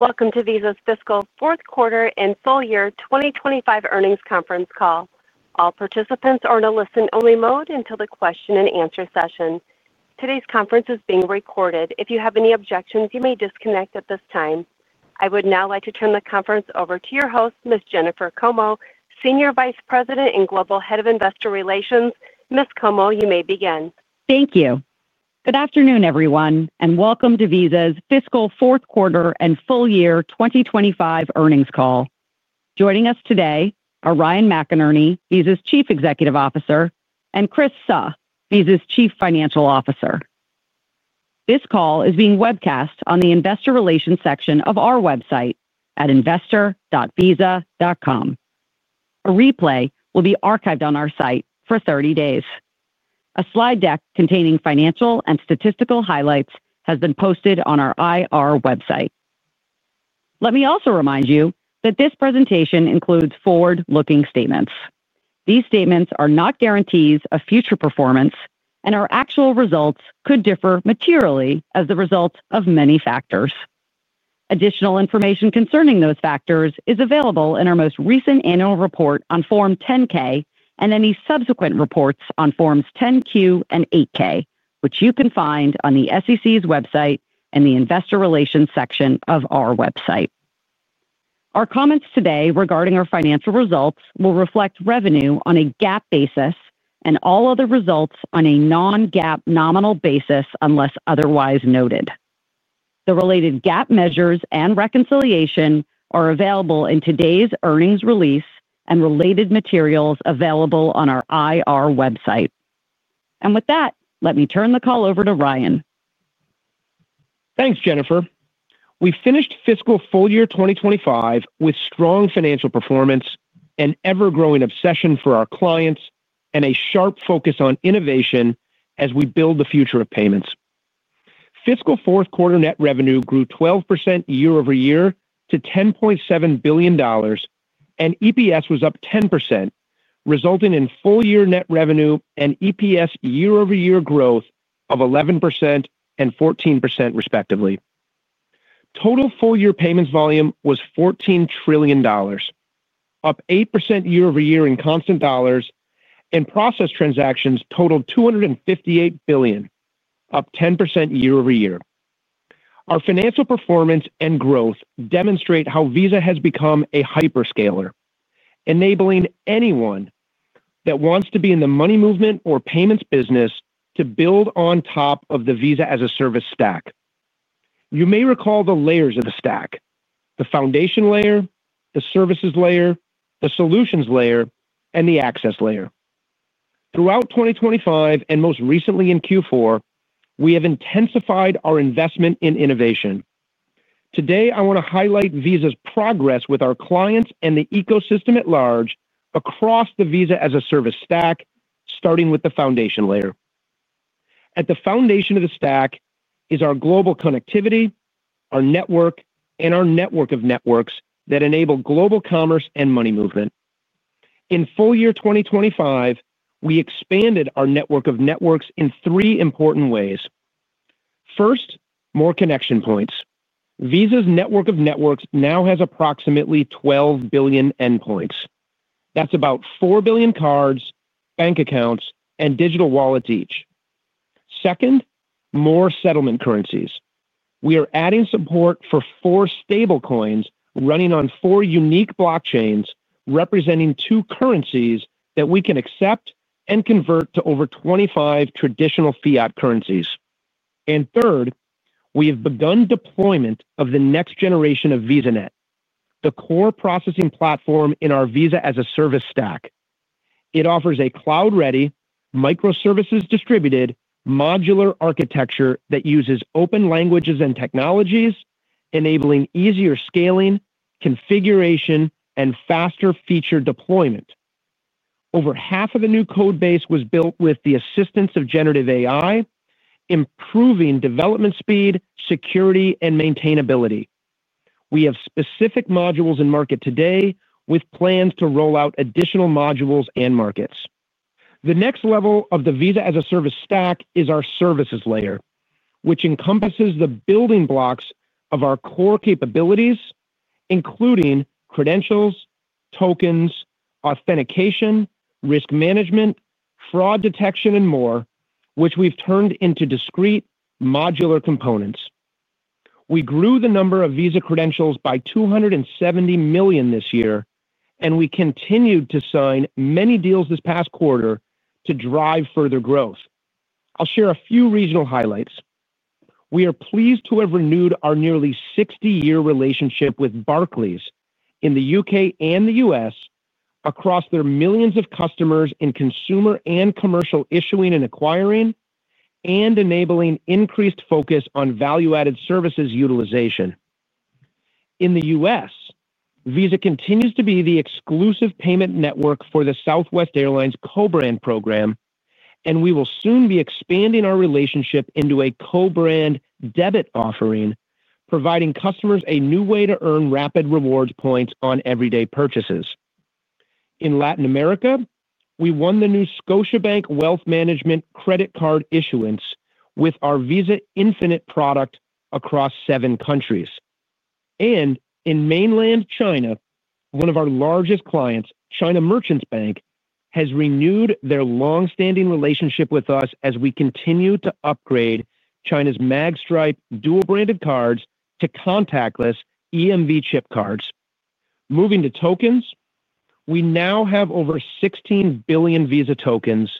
Welcome to Visa's fiscal fourth quarter and full year 2025 earnings conference call. All participants are in a listen-only mode until the question and answer session. Today's conference is being recorded. If you have any objections, you may disconnect at this time. I would now like to turn the conference over to your host, Ms. Jennifer Como, Senior Vice President and Global Head of Investor Relations. Ms. Como, you may begin. Thank you. Good afternoon, everyone, and welcome to Visa's fiscal fourth quarter and full year 2025 earnings call. Joining us today are Ryan McInerney, Visa's Chief Executive Officer, and Chris Suh, Visa's Chief Financial Officer. This call is being webcast on the Investor Relations section of our website at investor.visa.com. A replay will be archived on our site for 30 days. A slide deck containing financial and statistical highlights has been posted on our IR website. Let me also remind you that this presentation includes forward-looking statements. These statements are not guarantees of future performance, and our actual results could differ materially as a result of many factors. Additional information concerning those factors is available in our most recent annual report on Form 10-K and any subsequent reports on Forms 10-Q and 8-K, which you can find on the SEC's website and the Investor Relations section of our website. Our comments today regarding our financial results will reflect revenue on a GAAP basis and all other results on a non-GAAP nominal basis unless otherwise noted. The related GAAP measures and reconciliation are available in today's earnings release and related materials available on our IR website. With that, let me turn the call over to Ryan. Thanks, Jennifer. We finished fiscal full year 2025 with strong financial performance, an ever-growing obsession for our clients, and a sharp focus on innovation as we build the future of payments. Fiscal fourth quarter net revenue grew 12% year-over-year to $10.7 billion, and EPS was up 10%, resulting in full-year net revenue and EPS year-over-year growth of 11% and 14%, respectively. Total full-year payments volume was $14 trillion, up 8% year-over-year in constant dollars, and processed transactions totaled $258 billion, up 10% year-over-year. Our financial performance and growth demonstrate how Visa has become a hyperscaler, enabling anyone that wants to be in the money movement or payments business to build on top of the Visa-as-a-Service stack. You may recall the layers of the stack: the foundation layer, the services layer, the solutions layer, and the access layer. Throughout 2025, and most recently in Q4, we have intensified our investment in innovation. Today, I want to highlight Visa's progress with our clients and the ecosystem at large across the Visa-as-a-Service stack, starting with the foundation layer. At the foundation of the stack is our global connectivity, our network, and our network of networks that enable global commerce and money movement. In full year 2025, we expanded our network of networks in three important ways. First, more connection points. Visa's network of networks now has approximately 12 billion endpoints. That's about 4 billion cards, bank accounts, and digital wallets each. Second, more settlement currencies. We are adding support for four stablecoins running on four unique blockchains, representing two currencies that we can accept and convert to over 25 traditional fiat currencies. Third, we have begun deployment of the next generation of VisaNet, the core processing platform in our Visa-as-a-Service stack. It offers a cloud-ready, microservices-distributed, modular architecture that uses open languages and technologies, enabling easier scaling, configuration, and faster feature deployment. Over half of the new codebase was built with the assistance of generative AI, improving development speed, security, and maintainability. We have specific modules in market today with plans to roll out additional modules and markets. The next level of the Visa-as-a-Service stack is our services layer, which encompasses the building blocks of our core capabilities, including credentials, tokens, authentication, risk management, fraud detection, and more, which we've turned into discrete, modular components. We grew the number of Visa credentials by 270 million this year, and we continued to sign many deals this past quarter to drive further growth. I'll share a few regional highlights. We are pleased to have renewed our nearly 60-year relationship with Barclays in the U.K. and the U.S., across their millions of customers in consumer and commercial issuing and acquiring, and enabling increased focus on value-added services utilization. In the U.S., Visa continues to be the exclusive payment network for the Southwest Airlines co-brand program, and we will soon be expanding our relationship into a co-brand debit offering, providing customers a new way to earn Rapid Rewards points on everyday purchases. In Latin America, we won the new Scotiabank Wealth Management credit card issuance with our Visa Infinite product across seven countries. In mainland China, one of our largest clients, China Merchants Bank, has renewed their longstanding relationship with us as we continue to upgrade China's magstripe dual-branded cards to contactless EMV chip cards. Moving to tokens, we now have over 16 billion Visa tokens,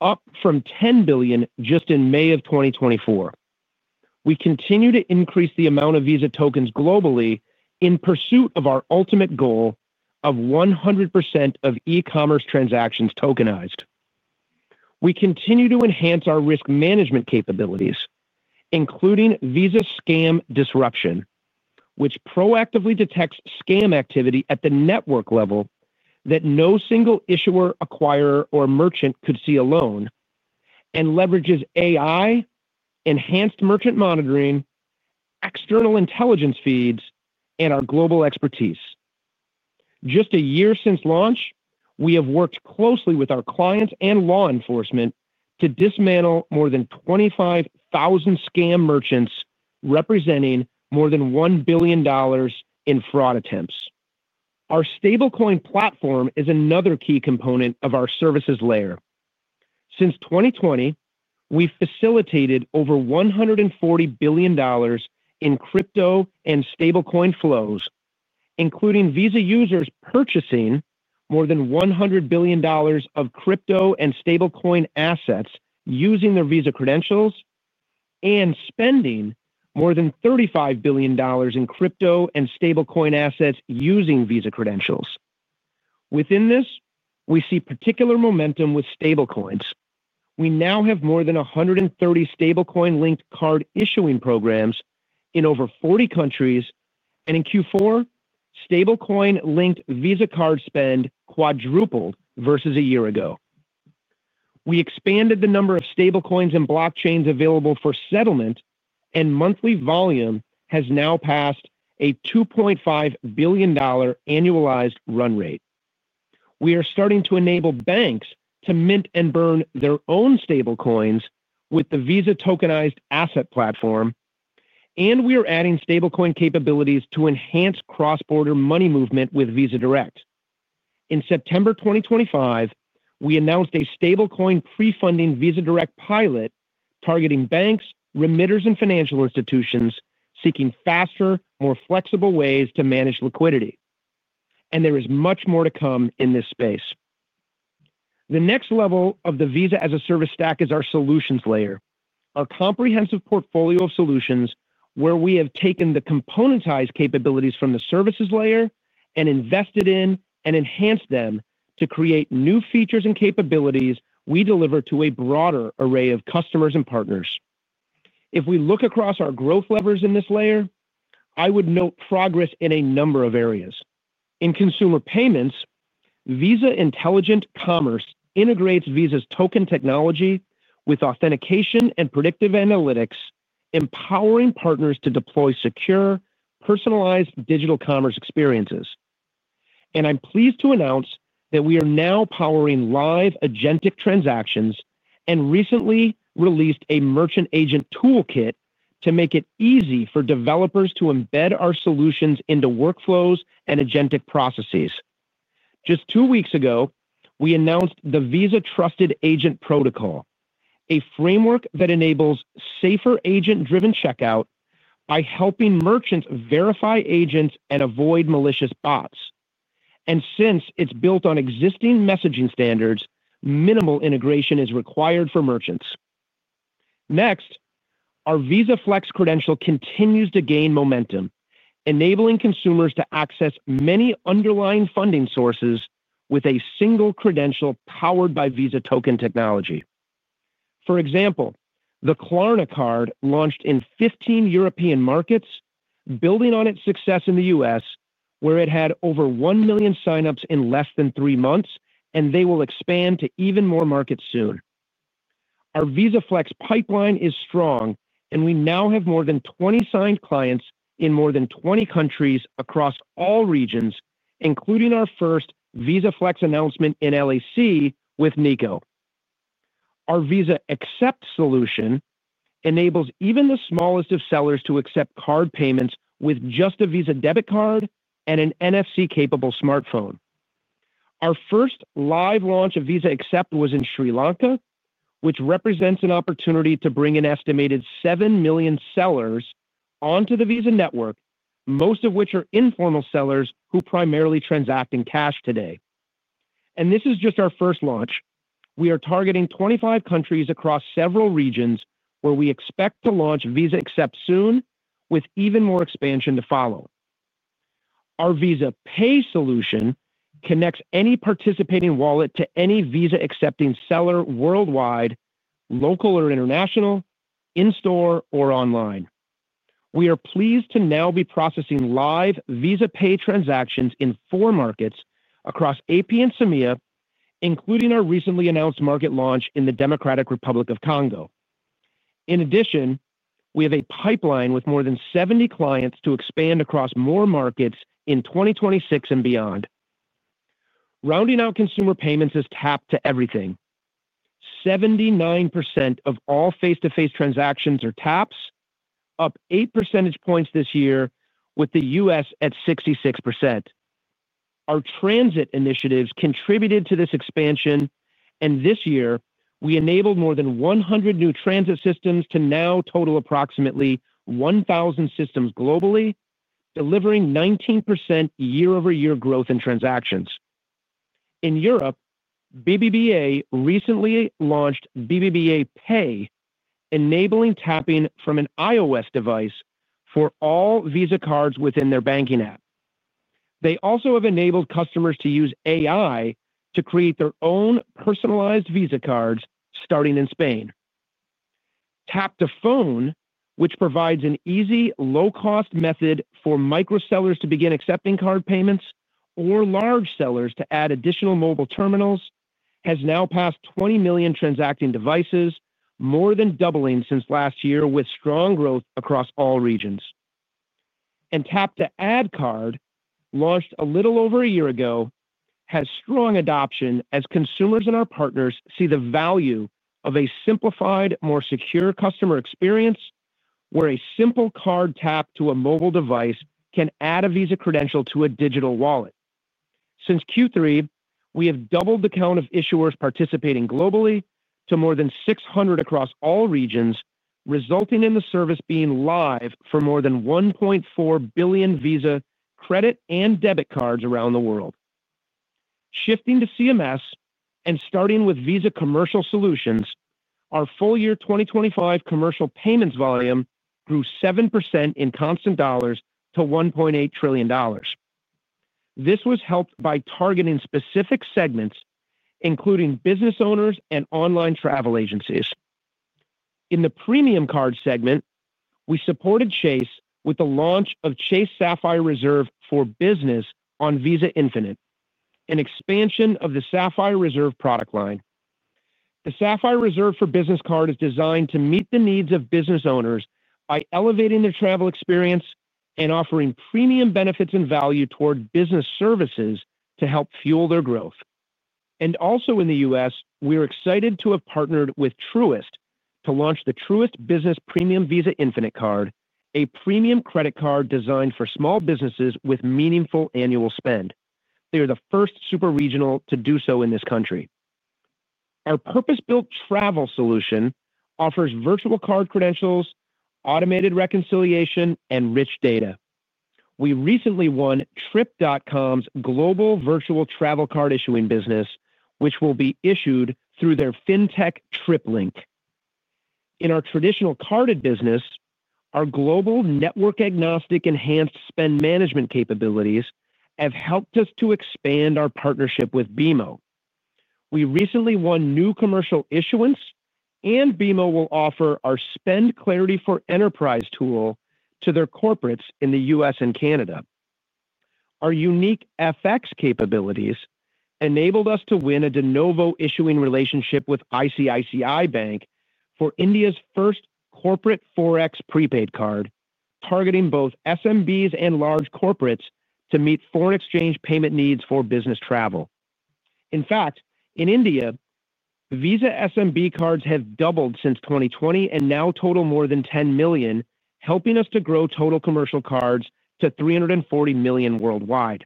up from 10 billion just in May of 2024. We continue to increase the amount of Visa tokens globally in pursuit of our ultimate goal of 100% of e-commerce transactions tokenized. We continue to enhance our risk management capabilities, including Visa Scam Disruption, which proactively detects scam activity at the network level that no single issuer, acquirer, or merchant could see alone, and leverages AI, enhanced merchant monitoring, external intelligence feeds, and our global expertise. Just a year since launch, we have worked closely with our clients and law enforcement to dismantle more than 25,000 scam merchants representing more than $1 billion in fraud attempts. Our stablecoin platform is another key component of our services layer. Since 2020, we've facilitated over $140 billion in crypto and stablecoin flows, including Visa users purchasing more than $100 billion of crypto and stablecoin assets using their Visa credentials and spending more than $35 billion in crypto and stablecoin assets using Visa credentials. Within this, we see particular momentum with stablecoins. We now have more than 130 stablecoin-linked card issuing programs in over 40 countries, and in Q4, stablecoin-linked Visa card spend quadrupled versus a year ago. We expanded the number of stablecoins and blockchains available for settlement, and monthly volume has now passed a $2.5 billion annualized run rate. We are starting to enable banks to mint and burn their own stablecoins with the Visa tokenized asset platform, and we are adding stablecoin capabilities to enhance cross-border money movement with Visa Direct. In September 2025, we announced a stablecoin pre-funding Visa Direct pilot targeting banks, remitters, and financial institutions seeking faster, more flexible ways to manage liquidity. There is much more to come in this space. The next level of the Visa-as-a-Service stack is our solutions layer, our comprehensive portfolio of solutions where we have taken the componentized capabilities from the services layer and invested in and enhanced them to create new features and capabilities we deliver to a broader array of customers and partners. If we look across our growth levers in this layer, I would note progress in a number of areas. In consumer payments, Visa Intelligent Commerce integrates Visa's token technology with authentication and predictive analytics, empowering partners to deploy secure, personalized digital commerce experiences. I'm pleased to announce that we are now powering live agentic transactions and recently released a merchant agent toolkit to make it easy for developers to embed our solutions into workflows and agentic processes. Just two weeks ago, we announced the Visa Trusted Agent Protocol, a framework that enables safer agent-driven checkout by helping merchants verify agents and avoid malicious bots. Since it's built on existing messaging standards, minimal integration is required for merchants. Next, our Visa Flex credential continues to gain momentum, enabling consumers to access many underlying funding sources with a single credential powered by Visa token technology. For example, the Klarna card launched in 15 European markets, building on its success in the U.S., where it had over one million signups in less than three months, and they will expand to even more markets soon. Our Visa Flex pipeline is strong, and we now have more than 20 signed clients in more than 20 countries across all regions, including our first Visa Flex announcement in LAC with Nico. Our Visa Accept solution enables even the smallest of sellers to accept card payments with just a Visa debit card and an NFC-capable smartphone. Our first live launch of Visa Accept was in Sri Lanka, which represents an opportunity to bring an estimated seven million sellers onto the Visa network, most of which are informal sellers who primarily transact in cash today. This is just our first launch. We are targeting 25 countries across several regions where we expect to launch Visa Accept soon, with even more expansion to follow. Our Visa Pay solution connects any participating wallet to any Visa-accepting seller worldwide, local or international, in-store or online. We are pleased to now be processing live Visa Pay transactions in four markets across AP and Samia, including our recently announced market launch in the Democratic Republic of Congo. In addition, we have a pipeline with more than 70 clients to expand across more markets in 2026 and beyond. Rounding out consumer payments is Tap to everything. 79% of all face-to-face transactions are taps, up eight percentage points this year, with the U.S. at 66%. Our transit initiatives contributed to this expansion, and this year, we enabled more than 100 new transit systems to now total approximately 1,000 systems globally, delivering 19% year-over-year growth in transactions. In Europe, BBVA recently launched BBVA Pay, enabling tapping from an iOS device for all Visa cards within their banking app. They also have enabled customers to use AI to create their own personalized Visa cards, starting in Spain. Tap-to-Phone, which provides an easy, low-cost method for micro sellers to begin accepting card payments or large sellers to add additional mobile terminals, has now passed 20 million transacting devices, more than doubling since last year, with strong growth across all regions. Tap to Add Card, launched a little over a year ago, has strong adoption as consumers and our partners see the value of a simplified, more secure customer experience where a simple card tap to a mobile device can add a Visa credential to a digital wallet. Since Q3, we have doubled the count of issuers participating globally to more than 600 across all regions, resulting in the service being live for more than 1.4 billion Visa credit and debit cards around the world. Shifting to CMS and starting with Visa commercial solutions, our full year 2025 commercial payments volume grew 7% in constant dollars to $1.8 trillion. This was helped by targeting specific segments, including business owners and online travel agencies. In the premium card segment, we supported Chase with the launch of Chase Sapphire Reserve for Business on Visa Infinite, an expansion of the Sapphire Reserve product line. The Sapphire Reserve for Business card is designed to meet the needs of business owners by elevating their travel experience and offering premium benefits and value toward business services to help fuel their growth. In the U.S., we are excited to have partnered with Truist to launch the Truist Business Premium Visa Infinite card, a premium credit card designed for small businesses with meaningful annual spend. They are the first super regional to do so in this country. Our purpose-built travel solution offers virtual card credentials, automated reconciliation, and rich data. We recently won Trip.com's global virtual travel card issuing business, which will be issued through their fintech TripLink. In our traditional carded business, our global network-agnostic enhanced spend management capabilities have helped us to expand our partnership with BMO. We recently won new commercial issuance, and BMO will offer our Spend Clarity for Enterprise tool to their corporates in the U.S. and Canada. Our unique FX capabilities enabled us to win a de novo issuing relationship with ICICI Bank for India's first corporate Forex prepaid card, targeting both SMBs and large corporates to meet foreign exchange payment needs for business travel. In fact, in India, Visa SMB cards have doubled since 2020 and now total more than 10 million, helping us to grow total commercial cards to 340 million worldwide.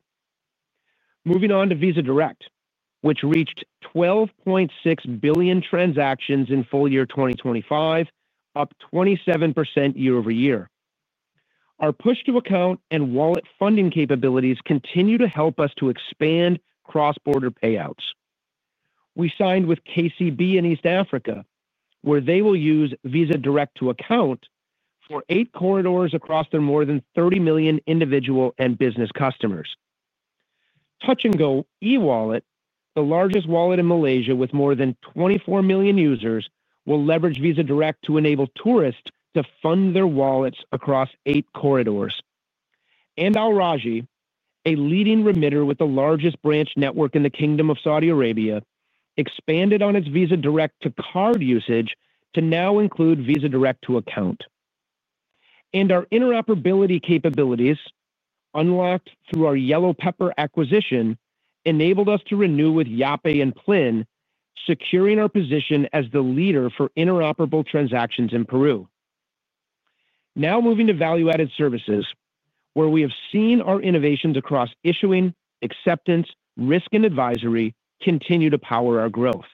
Moving on to Visa Direct, which reached 12.6 billion transactions in full year 2025, up 27% year-over-year. Our push-to-account and wallet funding capabilities continue to help us to expand cross-border payouts. We signed with KCB in East Africa, where they will use Visa Direct to account for eight corridors across their more than 30 million individual and business customers. Touch and Go eWallet, the largest wallet in Malaysia with more than 24 million users, will leverage Visa Direct to enable tourists to fund their wallets across eight corridors. Al Raji, a leading remitter with the largest branch network in the Kingdom of Saudi Arabia, expanded on its Visa Direct to card usage to now include Visa Direct to account. Our interoperability capabilities, unlocked through our Yellow Pepper acquisition, enabled us to renew with Yape and Plin, securing our position as the leader for interoperable transactions in Peru. Now moving to value-added services, where we have seen our innovations across issuing, acceptance, risk, and advisory continue to power our growth.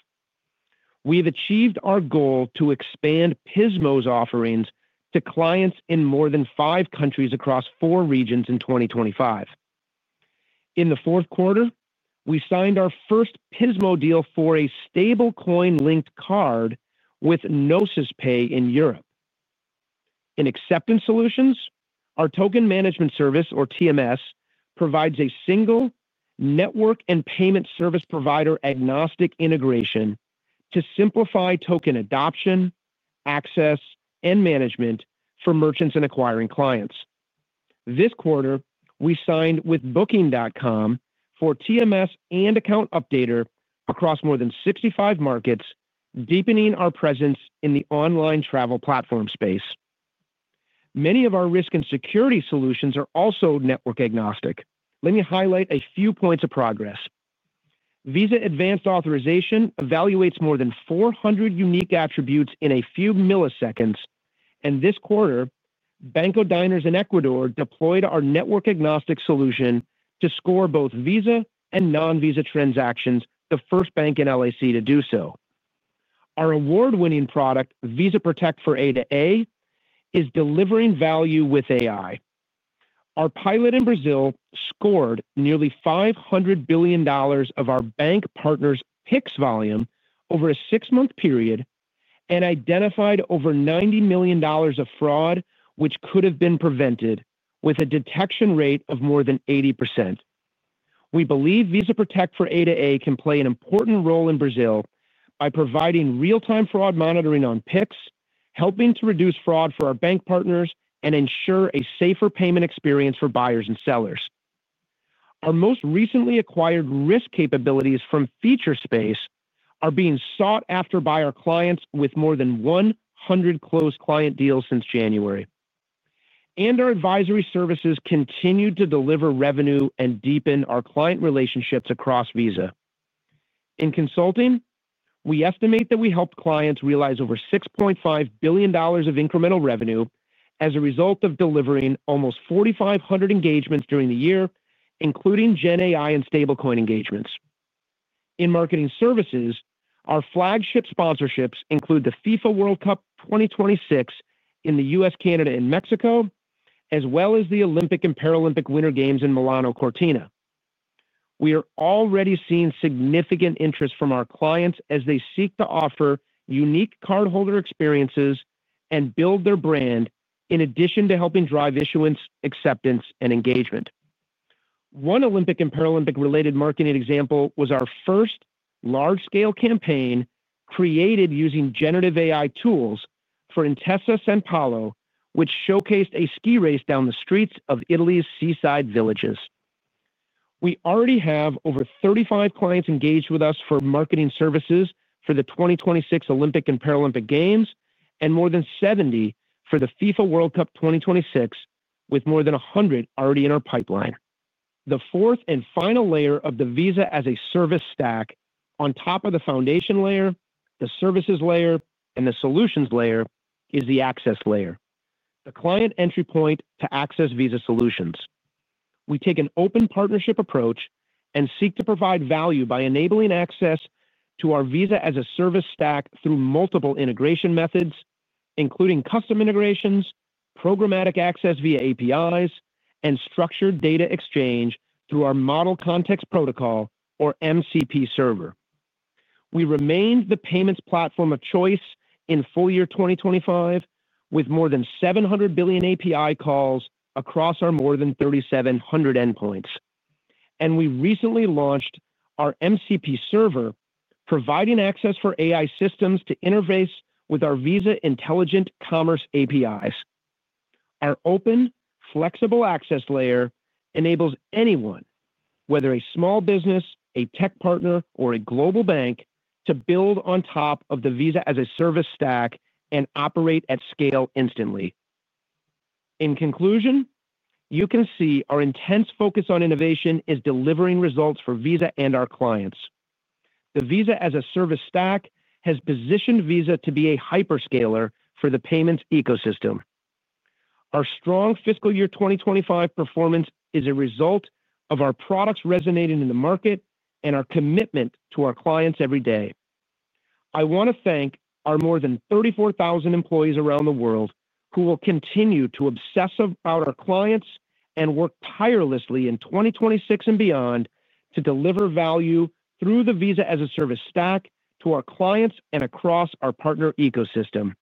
We have achieved our goal to expand Pismo's offerings to clients in more than five countries across four regions in 2025. In the fourth quarter, we signed our first Pismo deal for a stablecoin-linked card with Nosis Pay in Europe. In acceptance solutions, our token management service, or TMS, provides a single network and payment service provider-agnostic integration to simplify token adoption, access, and management for merchants and acquiring clients. This quarter, we signed with Booking.com for TMS and Account Updater across more than 65 markets, deepening our presence in the online travel platform space. Many of our risk and security solutions are also network-agnostic. Let me highlight a few points of progress. Visa Advanced Authorization evaluates more than 400 unique attributes in a few milliseconds, and this quarter, Banco Diners in Ecuador deployed our network-agnostic solution to score both Visa and non-Visa transactions, the first bank in LAC to do so. Our award-winning product, Visa Protect for A2A, is delivering value with AI. Our pilot in Brazil scored nearly $500 billion of our bank partners' PIX volume over a six-month period and identified over $90 million of fraud which could have been prevented with a detection rate of more than 80%. We believe Visa Protect for A2A can play an important role in Brazil by providing real-time fraud monitoring on PIX, helping to reduce fraud for our bank partners and ensure a safer payment experience for buyers and sellers. Our most recently acquired risk capabilities from Featurespace are being sought after by our clients with more than 100 closed client deals since January. Our advisory services continue to deliver revenue and deepen our client relationships across Visa. In consulting, we estimate that we helped clients realize over $6.5 billion of incremental revenue as a result of delivering almost 4,500 engagements during the year, including GenAI and stablecoin engagements. In marketing services, our flagship sponsorships include the FIFA World Cup 2026 in the U.S., Canada, and Mexico, as well as the Olympic and Paralympic Winter Games in Milano, Cortina. We are already seeing significant interest from our clients as they seek to offer unique cardholder experiences and build their brand in addition to helping drive issuance, acceptance, and engagement. One Olympic and Paralympic-related marketing example was our first large-scale campaign created using generative AI tools for Intesa San Paolo, which showcased a ski race down the streets of Italy's seaside villages. We already have over 35 clients engaged with us for marketing services for the 2026 Olympic and Paralympic Games and more than 70 for the FIFA World Cup 2026, with more than 100 already in our pipeline. The fourth and final layer of the Visa-as-a-Service stack, on top of the foundation layer, the services layer, and the solutions layer, is the access layer, the client entry point to access Visa solutions. We take an open partnership approach and seek to provide value by enabling access to our Visa-as-a-Service stack through multiple integration methods, including custom integrations, programmatic access via APIs, and structured data exchange through our Model Context Protocol, or MCP server. We remained the payments platform of choice in full year 2025 with more than 700 billion API calls across our more than 3,700 endpoints. We recently launched our MCP server, providing access for AI systems to interface with our Visa Intelligent Commerce APIs. Our open, flexible access layer enables anyone, whether a small business, a tech partner, or a global bank, to build on top of the Visa-as-a-Service stack and operate at scale instantly. In conclusion, you can see our intense focus on innovation is delivering results for Visa and our clients. The Visa-as-a-Service stack has positioned Visa to be a hyperscaler for the payments ecosystem. Our strong fiscal year 2025 performance is a result of our products resonating in the market and our commitment to our clients every day. I want to thank our more than 34,000 employees around the world who will continue to obsess about our clients and work tirelessly in 2026 and beyond to deliver value through the Visa-as-a-Service stack to our clients and across our partner ecosystem.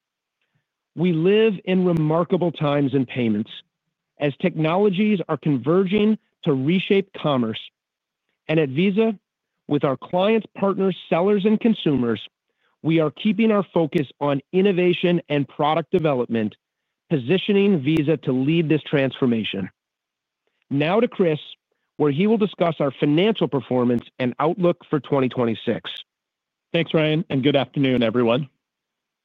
We live in remarkable times in payments as technologies are converging to reshape commerce. At Visa, with our clients, partners, sellers, and consumers, we are keeping our focus on innovation and product development, positioning Visa to lead this transformation. Now to Chris, where he will discuss our financial performance and outlook for 2026. Thanks, Ryan, and good afternoon, everyone.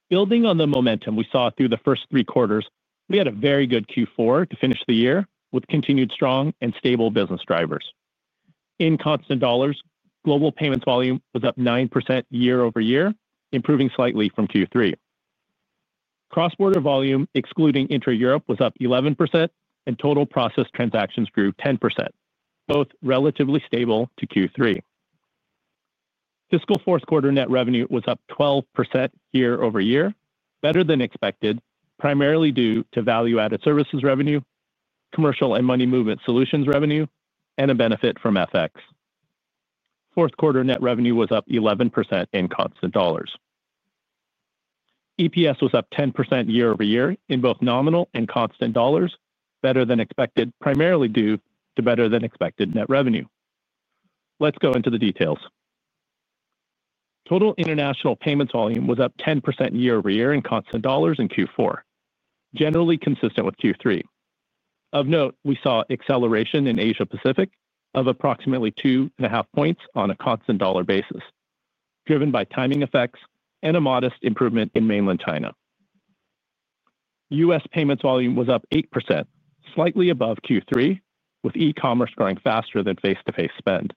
Building on the momentum we saw through the first three quarters, we had a very good Q4 to finish the year with continued strong and stable business drivers. In constant dollars, global payments volume was up 9% year-over-year, improving slightly from Q3. Cross-border volume, excluding intra-Europe, was up 11%, and total processed transactions grew 10%, both relatively stable to Q3. Fiscal fourth quarter net revenue was up 12% year-over-year, better than expected, primarily due to value-added services revenue, commercial and money movement solutions revenue, and a benefit from FX. Fourth quarter net revenue was up 11% in constant dollars. EPS was up 10% year-over-year in both nominal and constant dollars, better than expected, primarily due to better than expected net revenue. Let's go into the details. Total international payments volume was up 10% year-over-year in constant dollars in Q4, generally consistent with Q3. Of note, we saw acceleration in Asia-Pacific of approximately 2.5 points on a constant dollar basis, driven by timing effects and a modest improvement in mainland China. U.S. payments volume was up 8%, slightly above Q3, with e-commerce growing faster than face-to-face spend.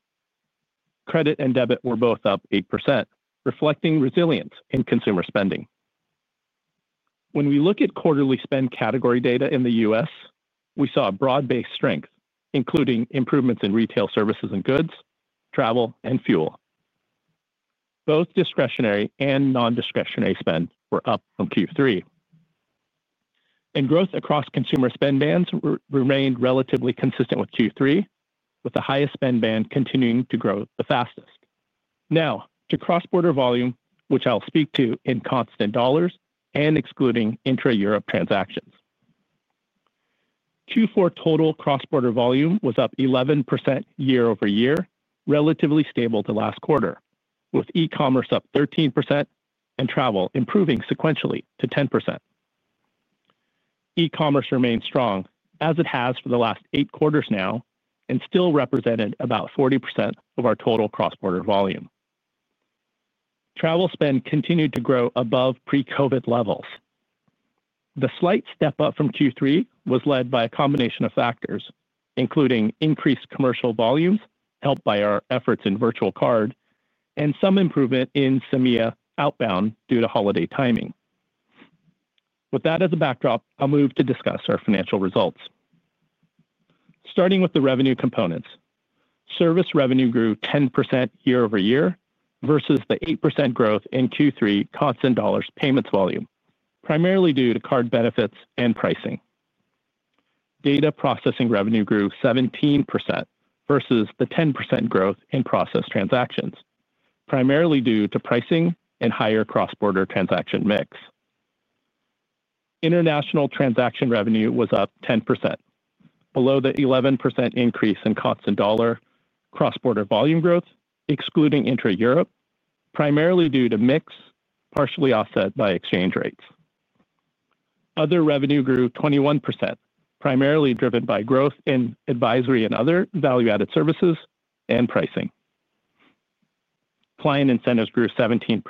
Credit and debit were both up 8%, reflecting resilience in consumer spending. When we look at quarterly spend category data in the U.S., we saw broad-based strength, including improvements in retail services and goods, travel, and fuel. Both discretionary and non-discretionary spend were up from Q3. Growth across consumer spend bands remained relatively consistent with Q3, with the highest spend band continuing to grow the fastest. Now, to cross-border volume, which I'll speak to in constant dollars and excluding intra-Europe transactions. Q4 total cross-border volume was up 11% year-over-year, relatively stable to last quarter, with e-commerce up 13% and travel improving sequentially to 10%. E-commerce remains strong, as it has for the last eight quarters now, and still represented about 40% of our total cross-border volume. Travel spend continued to grow above pre-COVID levels. The slight step up from Q3 was led by a combination of factors, including increased commercial volumes, helped by our efforts in virtual card, and some improvement in Samia outbound due to holiday timing. With that as a backdrop, I'll move to discuss our financial results. Starting with the revenue components, service revenue grew 10% year-over-year versus the 8% growth in Q3 constant dollars payments volume, primarily due to card benefits and pricing. Data processing revenue grew 17% versus the 10% growth in processed transactions, primarily due to pricing and higher cross-border transaction mix. International transaction revenue was up 10%, below the 11% increase in constant dollar cross-border volume growth, excluding intra-Europe, primarily due to mix partially offset by exchange rates. Other revenue grew 21%, primarily driven by growth in advisory and other value-added services and pricing. Client incentives grew 17%,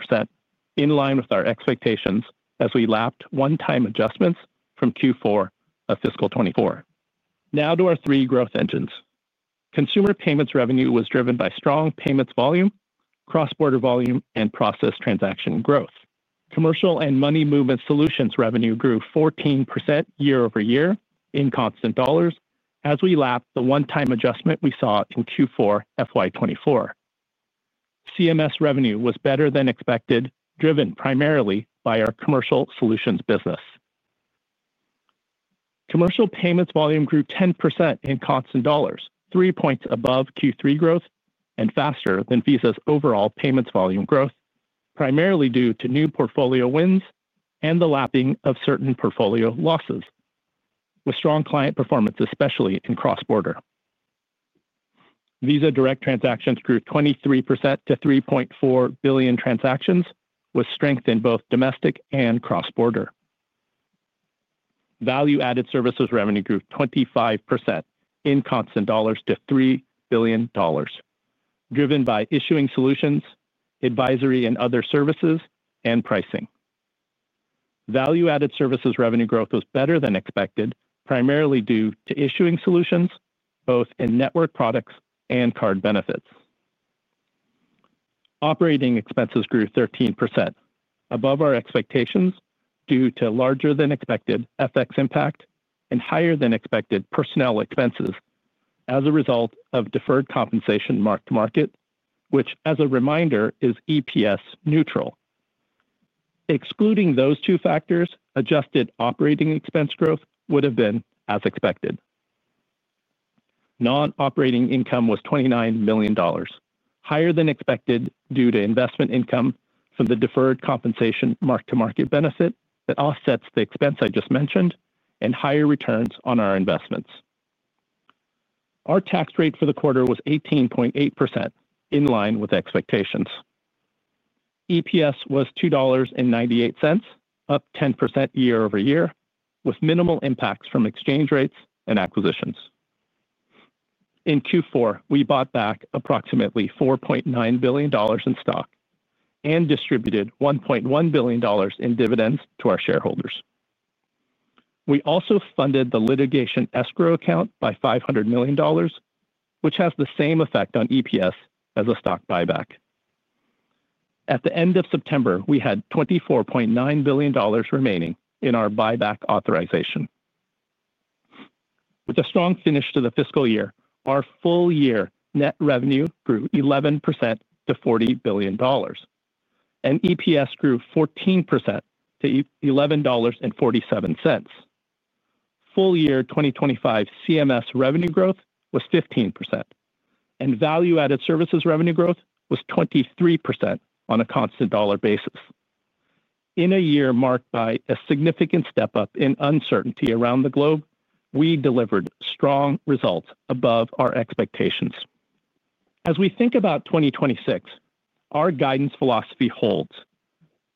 in line with our expectations as we lapped one-time adjustments from Q4 of fiscal 2024. Now to our three growth engines. Consumer payments revenue was driven by strong payments volume, cross-border volume, and processed transaction growth. Commercial and money movement solutions revenue grew 14% year-over-year in constant dollars as we lapped the one-time adjustment we saw in Q4 FY2024. CMS revenue was better than expected, driven primarily by our commercial solutions business. Commercial payments volume grew 10% in constant dollars, three points above Q3 growth and faster than Visa's overall payments volume growth, primarily due to new portfolio wins and the lapping of certain portfolio losses, with strong client performance, especially in cross-border. Visa Direct transactions grew 23% to 3.4 billion transactions, with strength in both domestic and cross-border. Value-added services revenue grew 25% in constant dollars to $3 billion, driven by issuing solutions, advisory and other services, and pricing. Value-added services revenue growth was better than expected, primarily due to issuing solutions, both in network products and card benefits. Operating expenses grew 13%, above our expectations due to larger than expected FX impact and higher than expected personnel expenses as a result of deferred compensation mark-to-market, which, as a reminder, is EPS neutral. Excluding those two factors, adjusted operating expense growth would have been as expected. Non-operating income was $29 million, higher than expected due to investment income from the deferred compensation mark-to-market benefit that offsets the expense I just mentioned and higher returns on our investments. Our tax rate for the quarter was 18.8%, in line with expectations. EPS was $2.98, up 10% year-over-year, with minimal impacts from exchange rates and acquisitions. In Q4, we bought back approximately $4.9 billion in stock and distributed $1.1 billion in dividends to our shareholders. We also funded the litigation escrow account by $500 million, which has the same effect on EPS as a stock buyback. At the end of September, we had $24.9 billion remaining in our buyback authorization. With a strong finish to the fiscal year, our full year net revenue grew 11% to $40 billion, and EPS grew 14% to $11.47. Full year 2025 CMS revenue growth was 15%, and value-added services revenue growth was 23% on a constant dollar basis. In a year marked by a significant step up in uncertainty around the globe, we delivered strong results above our expectations. As we think about 2026, our guidance philosophy holds.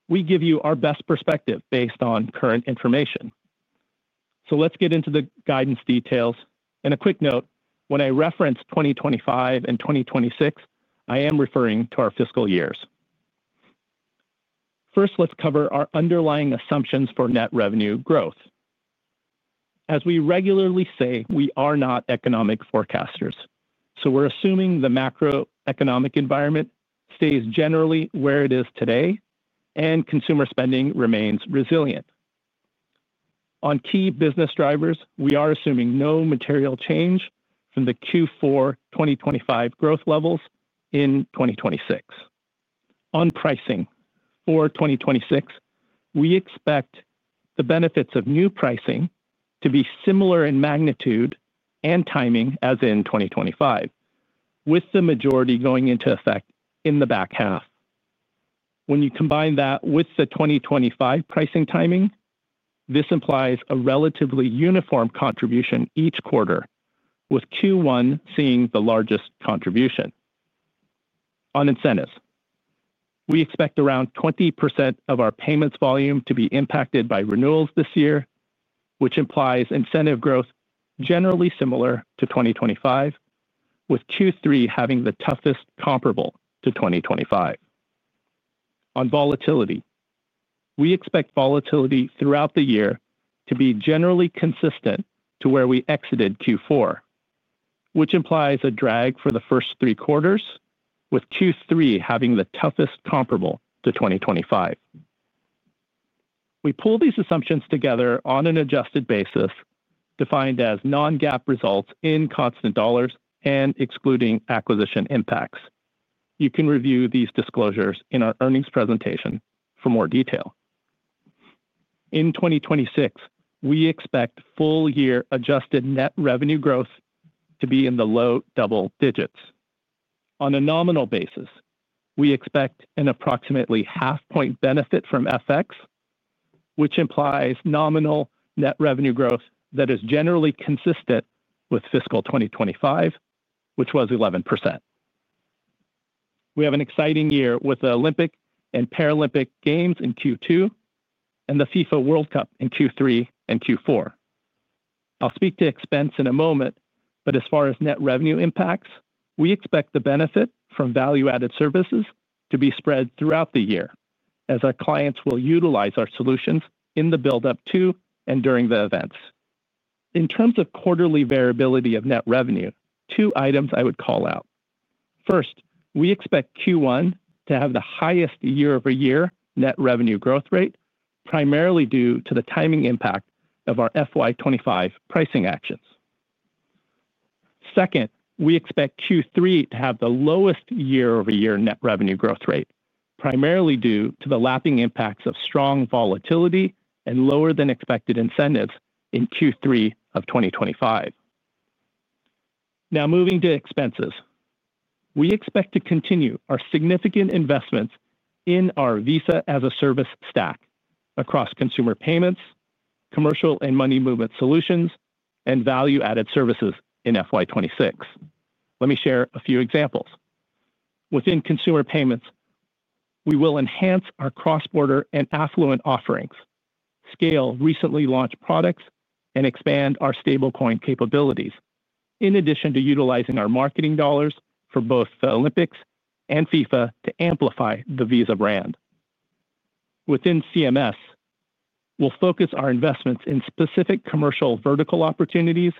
We give you our best perspective based on current information. Let's get into the guidance details. A quick note, when I reference 2025 and 2026, I am referring to our fiscal years. First, let's cover our underlying assumptions for net revenue growth. As we regularly say, we are not economic forecasters. We are assuming the macroeconomic environment stays generally where it is today, and consumer spending remains resilient. On key business drivers, we are assuming no material change from the Q4 2025 growth levels in 2026. On pricing for 2026, we expect the benefits of new pricing to be similar in magnitude and timing as in 2025, with the majority going into effect in the back half. When you combine that with the 2025 pricing timing, this implies a relatively uniform contribution each quarter, with Q1 seeing the largest contribution. On incentives, we expect around 20% of our payments volume to be impacted by renewals this year, which implies incentive growth generally similar to 2025, with Q3 having the toughest comparable to 2025. On volatility, we expect volatility throughout the year to be generally consistent to where we exited Q4, which implies a drag for the first three quarters, with Q3 having the toughest comparable to 2025. We pull these assumptions together on an adjusted basis, defined as non-GAAP results in constant dollars and excluding acquisition impacts. You can review these disclosures in our earnings presentation for more detail. In 2026, we expect full year adjusted net revenue growth to be in the low double digits. On a nominal basis, we expect an approximately half point benefit from FX, which implies nominal net revenue growth that is generally consistent with fiscal 2025, which was 11%. We have an exciting year with the Olympic and Paralympic Games in Q2 and the FIFA World Cup in Q3 and Q4. I'll speak to expense in a moment, but as far as net revenue impacts, we expect the benefit from value-added services to be spread throughout the year as our clients will utilize our solutions in the build-up to and during the events. In terms of quarterly variability of net revenue, two items I would call out. First, we expect Q1 to have the highest year-over-year net revenue growth rate, primarily due to the timing impact of our FY25 pricing actions. Second, we expect Q3 to have the lowest year-over-year net revenue growth rate, primarily due to the lapping impacts of strong volatility and lower than expected incentives in Q3 of 2025. Now moving to expenses, we expect to continue our significant investments in our Visa-as-a-Service stack across consumer payments, commercial and money movement solutions, and value-added services in FY26. Let me share a few examples. Within consumer payments, we will enhance our cross-border and affluent offerings, scale recently launched products, and expand our stablecoin capabilities, in addition to utilizing our marketing dollars for both the Olympics and FIFA to amplify the Visa brand. Within CMS, we'll focus our investments in specific commercial vertical opportunities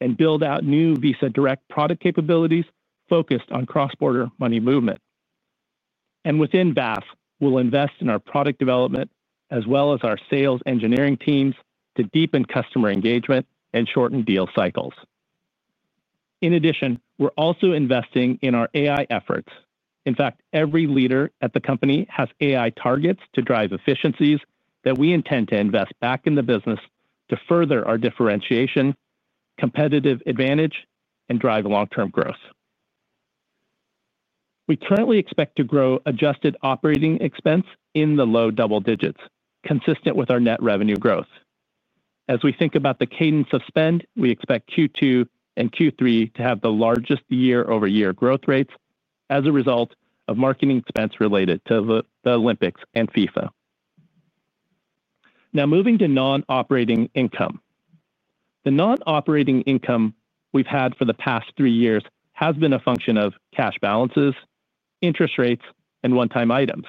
and build out new Visa Direct product capabilities focused on cross-border money movement. Within VAS, we'll invest in our product development as well as our sales engineering teams to deepen customer engagement and shorten deal cycles. In addition, we're also investing in our AI efforts. In fact, every leader at the company has AI targets to drive efficiencies that we intend to invest back in the business to further our differentiation, competitive advantage, and drive long-term growth. We currently expect to grow adjusted operating expense in the low double digits, consistent with our net revenue growth. As we think about the cadence of spend, we expect Q2 and Q3 to have the largest year-over-year growth rates as a result of marketing expense related to the Olympic and Paralympic Games and FIFA World Cup. Now moving to non-operating income. The non-operating income we've had for the past three years has been a function of cash balances, interest rates, and one-time items.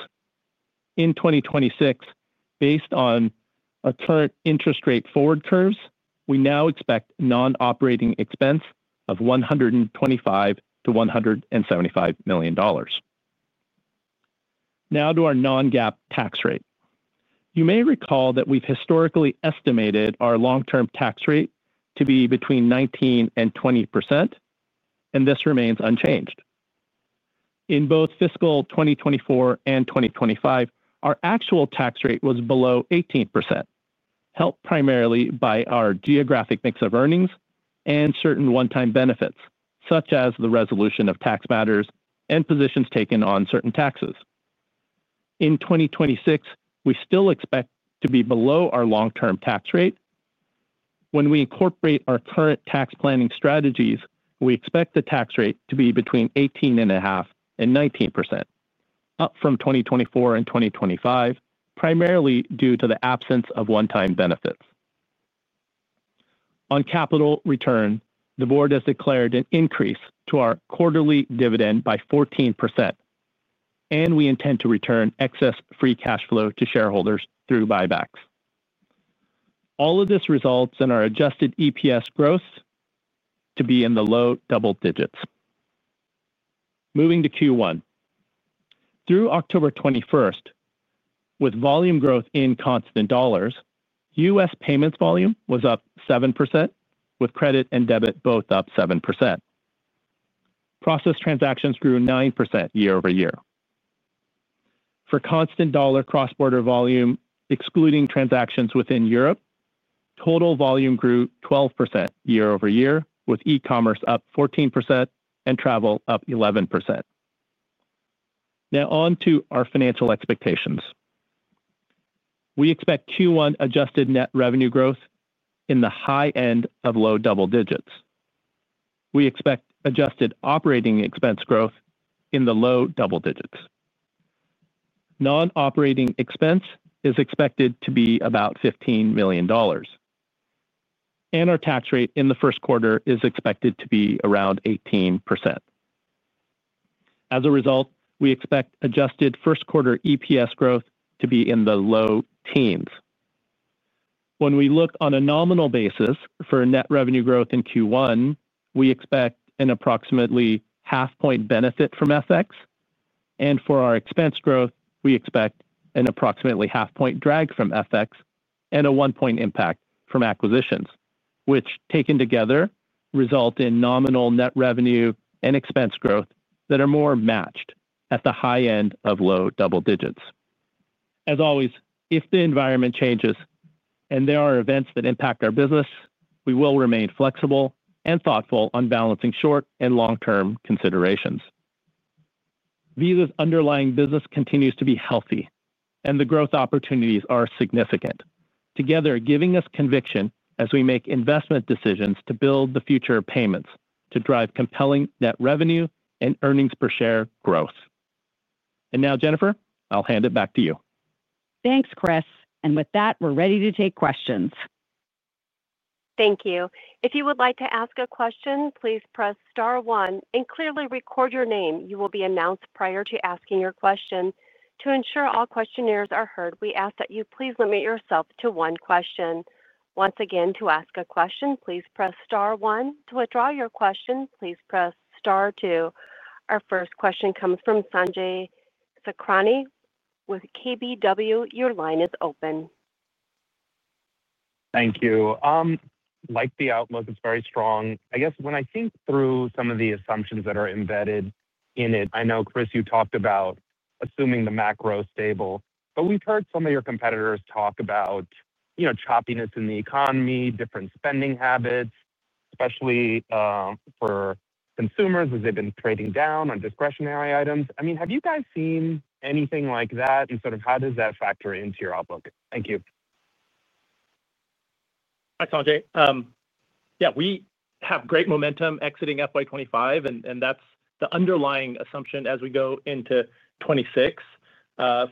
In 2026, based on current interest rate forward curves, we now expect non-operating expense of $125 million to $175 million. Now to our non-GAAP tax rate. You may recall that we've historically estimated our long-term tax rate to be between 19% and 20%, and this remains unchanged. In both fiscal 2024 and 2025, our actual tax rate was below 18%, helped primarily by our geographic mix of earnings and certain one-time benefits, such as the resolution of tax matters and positions taken on certain taxes. In 2026, we still expect to be below our long-term tax rate. When we incorporate our current tax planning strategies, we expect the tax rate to be between 18.5% and 19%, up from 2024 and 2025, primarily due to the absence of one-time benefits. On capital return, the board has declared an increase to our quarterly dividend by 14%, and we intend to return excess free cash flow to shareholders through buybacks. All of this results in our adjusted EPS growth to be in the low double digits. Moving to Q1. Through October 21, with volume growth in constant dollars, U.S. payments volume was up 7%, with credit and debit both up 7%. Processed transactions grew 9% year-over-year. For constant dollar cross-border volume, excluding transactions within Europe, total volume grew 12% year-over-year, with e-commerce up 14% and travel up 11%. Now on to our financial expectations. We expect Q1 adjusted net revenue growth in the high end of low double digits. We expect adjusted operating expense growth in the low double digits. Non-operating expense is expected to be about $15 million, and our tax rate in the first quarter is expected to be around 18%. As a result, we expect adjusted first quarter EPS growth to be in the low teens. When we look on a nominal basis for net revenue growth in Q1, we expect an approximately half point benefit from FX, and for our expense growth, we expect an approximately half point drag from FX and a one point impact from acquisitions, which taken together result in nominal net revenue and expense growth that are more matched at the high end of low double digits. As always, if the environment changes and there are events that impact our business, we will remain flexible and thoughtful on balancing short and long-term considerations. Visa's underlying business continues to be healthy, and the growth opportunities are significant, together giving us conviction as we make investment decisions to build the future of payments to drive compelling net revenue and EPS growth. Now, Jennifer, I'll hand it back to you. Thanks, Chris. With that, we're ready to take questions. Thank you. If you would like to ask a question, please press star one and clearly record your name. You will be announced prior to asking your question. To ensure all questionnaires are heard, we ask that you please limit yourself to one question. Once again, to ask a question, please press star one. To withdraw your question, please press star two. Our first question comes from Sanjay Sakhrani with KBW. Your line is open. Thank you. I like the outlook. It's very strong. I guess when I think through some of the assumptions that are embedded in it, I know, Chris, you talked about assuming the macro is stable, but we've heard some of your competitors talk about choppiness in the economy, different spending habits, especially for consumers as they've been trading down on discretionary items. Have you guys seen anything like that, and how does that factor into your outlook? Thank you. Thanks, Sanjay. Yeah, we have great momentum exiting FY25, and that's the underlying assumption as we go into 2026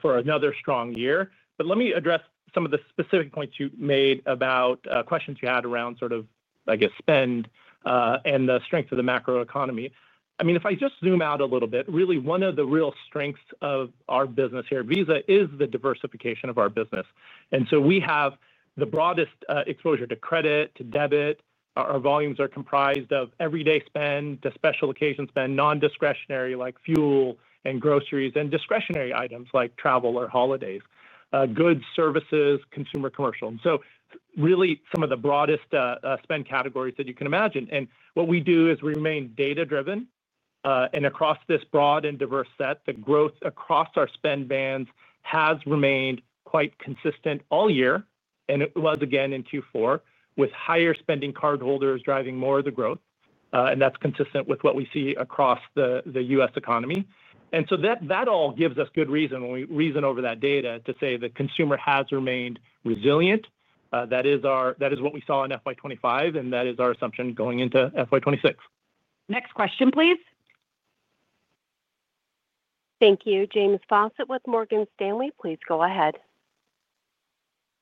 for another strong year. Let me address some of the specific points you made about questions you had around, I guess, spend and the strength of the macroeconomy. If I just zoom out a little bit, really one of the real strengths of our business here at Visa is the diversification of our business. We have the broadest exposure to credit, to debit. Our volumes are comprised of everyday spend to special occasion spend, non-discretionary like fuel and groceries, and discretionary items like travel or holidays, goods, services, consumer, commercial. Really some of the broadest spend categories that you can imagine. We remain data-driven. Across this broad and diverse set, the growth across our spend bands has remained quite consistent all year, and it was again in Q4, with higher spending cardholders driving more of the growth. That's consistent with what we see across the U.S. economy. That all gives us good reason when we reason over that data to say the consumer has remained resilient. That is what we saw in FY25, and that is our assumption going into FY26. Next question, please. Thank you. James Fawcett with Morgan Stanley. Please go ahead.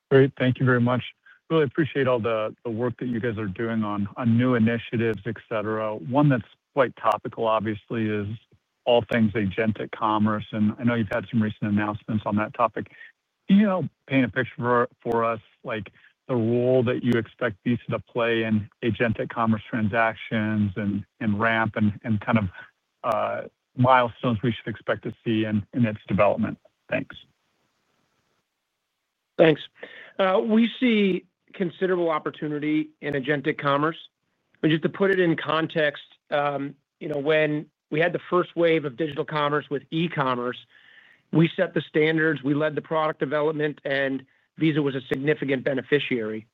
Great. Thank you very much. Really appreciate all the work that you guys are doing on new initiatives, et cetera. One that's quite topical, obviously, is all things agentic commerce. I know you've had some recent announcements on that topic. Can you help paint a picture for us, like the role that you expect Visa to play in agentic commerce transactions and ramp and kind of milestones we should expect to see in its development? Thanks. Thanks. We see considerable opportunity in agentic commerce. Just to put it in context, when we had the first wave of digital commerce with e-commerce, we set the standards, we led the product development, and Visa was a significant beneficiary.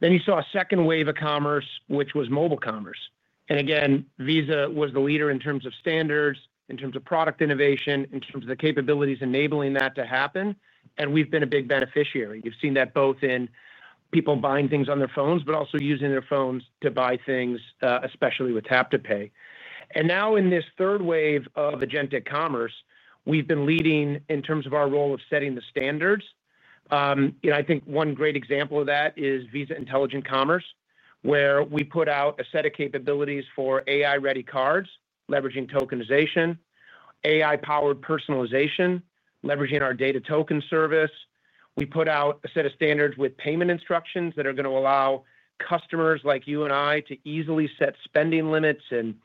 Then you saw a second wave of commerce, which was mobile commerce. Visa was the leader in terms of standards, in terms of product innovation, in terms of the capabilities enabling that to happen. We've been a big beneficiary. You've seen that both in people buying things on their phones, but also using their phones to buy things, especially with Tap to Pay. Now in this third wave of agentic commerce, we've been leading in terms of our role of setting the standards. I think one great example of that is Visa Intelligent Commerce, where we put out a set of capabilities for AI-ready cards, leveraging tokenization, AI-powered personalization, leveraging our data token service. We put out a set of standards with payment instructions that are going to allow customers like you and I to easily set spending limits and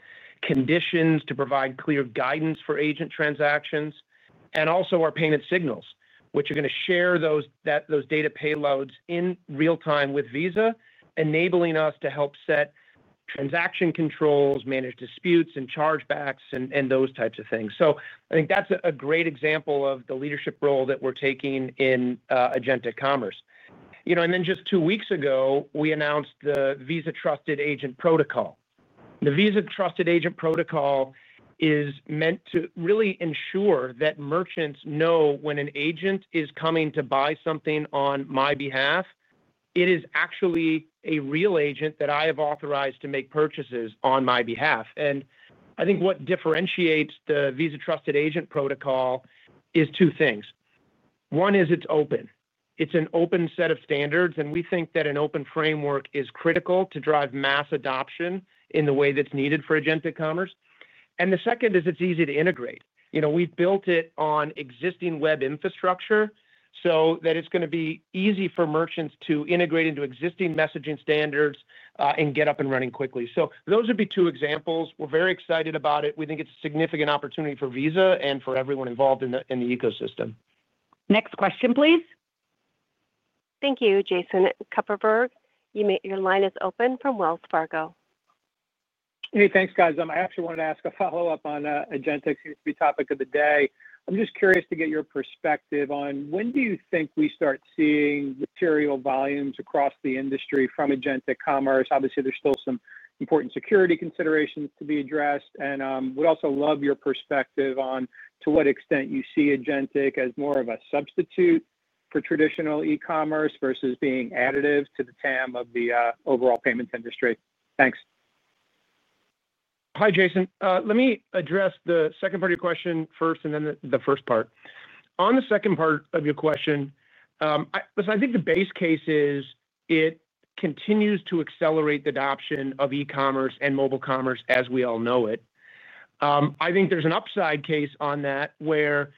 conditions to provide clear guidance for agent transactions. Also our payment signals, which are going to share those data payloads in real time with Visa, enabling us to help set transaction controls, manage disputes and chargebacks, and those types of things. I think that's a great example of the leadership role that we're taking in agentic commerce. Just two weeks ago, we announced the Visa Trusted Agent Protocol. The Visa Trusted Agent Protocol is meant to really ensure that merchants know when an agent is coming to buy something on my behalf, it is actually a real agent that I have authorized to make purchases on my behalf. I think what differentiates the Visa Trusted Agent Protocol is two things. One is it's open. It's an open set of standards, and we think that an open framework is critical to drive mass adoption in the way that's needed for agentic commerce. The second is it's easy to integrate. We've built it on existing web infrastructure so that it's going to be easy for merchants to integrate into existing messaging standards and get up and running quickly. Those would be two examples. We're very excited about it. We think it's a significant opportunity for Visa and for everyone involved in the ecosystem. Next question, please. Thank you, Jason Kupferberg. Your line is open from Wells Fargo. Hey, thanks, guys. I actually wanted to ask a follow-up on agentic; it used to be the topic of the day. I'm just curious to get your perspective on when do you think we start seeing material volumes across the industry from agentic commerce? Obviously, there's still some important security considerations to be addressed, and we'd also love your perspective on to what extent you see agentic as more of a substitute for traditional e-commerce versus being additive to the term of the overall payments industry. Thanks. Hi, Jason. Let me address the second part of your question first and then the first part. On the second part of your question, listen, I think the base case is it continues to accelerate the adoption of e-commerce and mobile commerce as we all know it. I think there's an upside case on that where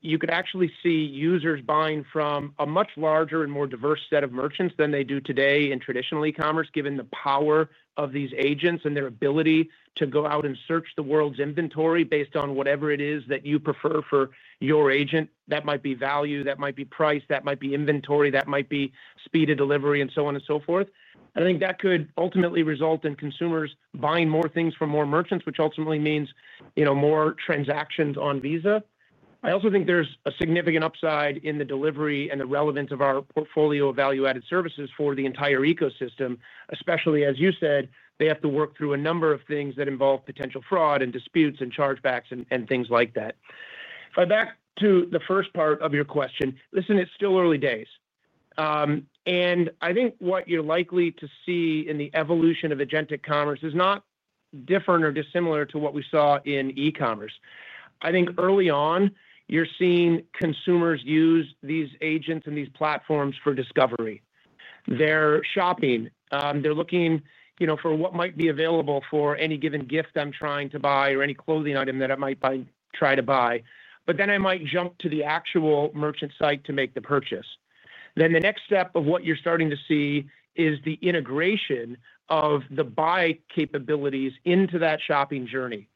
you could actually see users buying from a much larger and more diverse set of merchants than they do today in traditional e-commerce, given the power of these agents and their ability to go out and search the world's inventory based on whatever it is that you prefer for your agent. That might be value, that might be price, that might be inventory, that might be speed of delivery, and so on and so forth. I think that could ultimately result in consumers buying more things from more merchants, which ultimately means, you know, more transactions on Visa. I also think there's a significant upside in the delivery and the relevance of our portfolio of value-added services for the entire ecosystem, especially, as you said, they have to work through a number of things that involve potential fraud and disputes and chargebacks and things like that. Back to the first part of your question, listen, it's still early days. I think what you're likely to see in the evolution of agentic commerce is not different or dissimilar to what we saw in e-commerce. Early on, you're seeing consumers use these agents and these platforms for discovery. They're shopping. They're looking, you know, for what might be available for any given gift I'm trying to buy or any clothing item that I might try to buy. Then I might jump to the actual merchant site to make the purchase. The next step of what you're starting to see is the integration of the buy capabilities into that shopping journey.